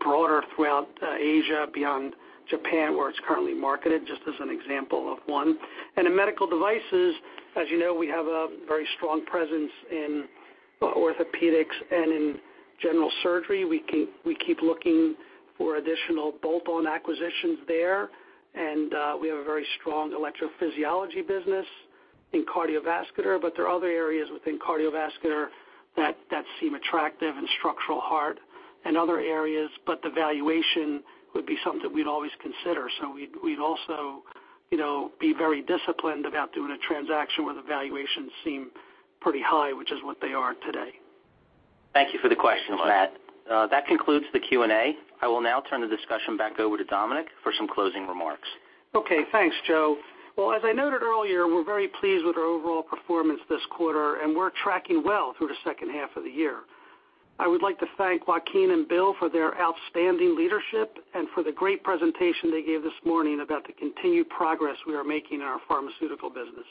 broader throughout Asia beyond Japan, where it's currently marketed, just as an example of one. In medical devices, as you know, we have a very strong presence in orthopedics and in general surgery. We keep looking for additional bolt-on acquisitions there. We have a very strong electrophysiology business in cardiovascular, there are other areas within cardiovascular that seem attractive and structural heart and other areas, the valuation would be something we'd always consider. We'd also be very disciplined about doing a transaction where the valuations seem pretty high, which is what they are today. Thank you for the question, Matt. That concludes the Q&A. I will now turn the discussion back over to Dominic for some closing remarks. Okay, thanks, Joe. Well, as I noted earlier, we're very pleased with our overall performance this quarter, and we're tracking well through the second half of the year. I would like to thank Joaquin and Bill for their outstanding leadership and for the great presentation they gave this morning about the continued progress we are making in our pharmaceutical business.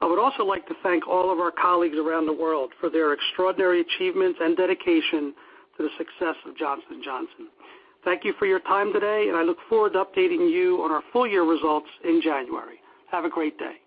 I would also like to thank all of our colleagues around the world for their extraordinary achievements and dedication to the success of Johnson & Johnson. Thank you for your time today, and I look forward to updating you on our full-year results in January. Have a great day.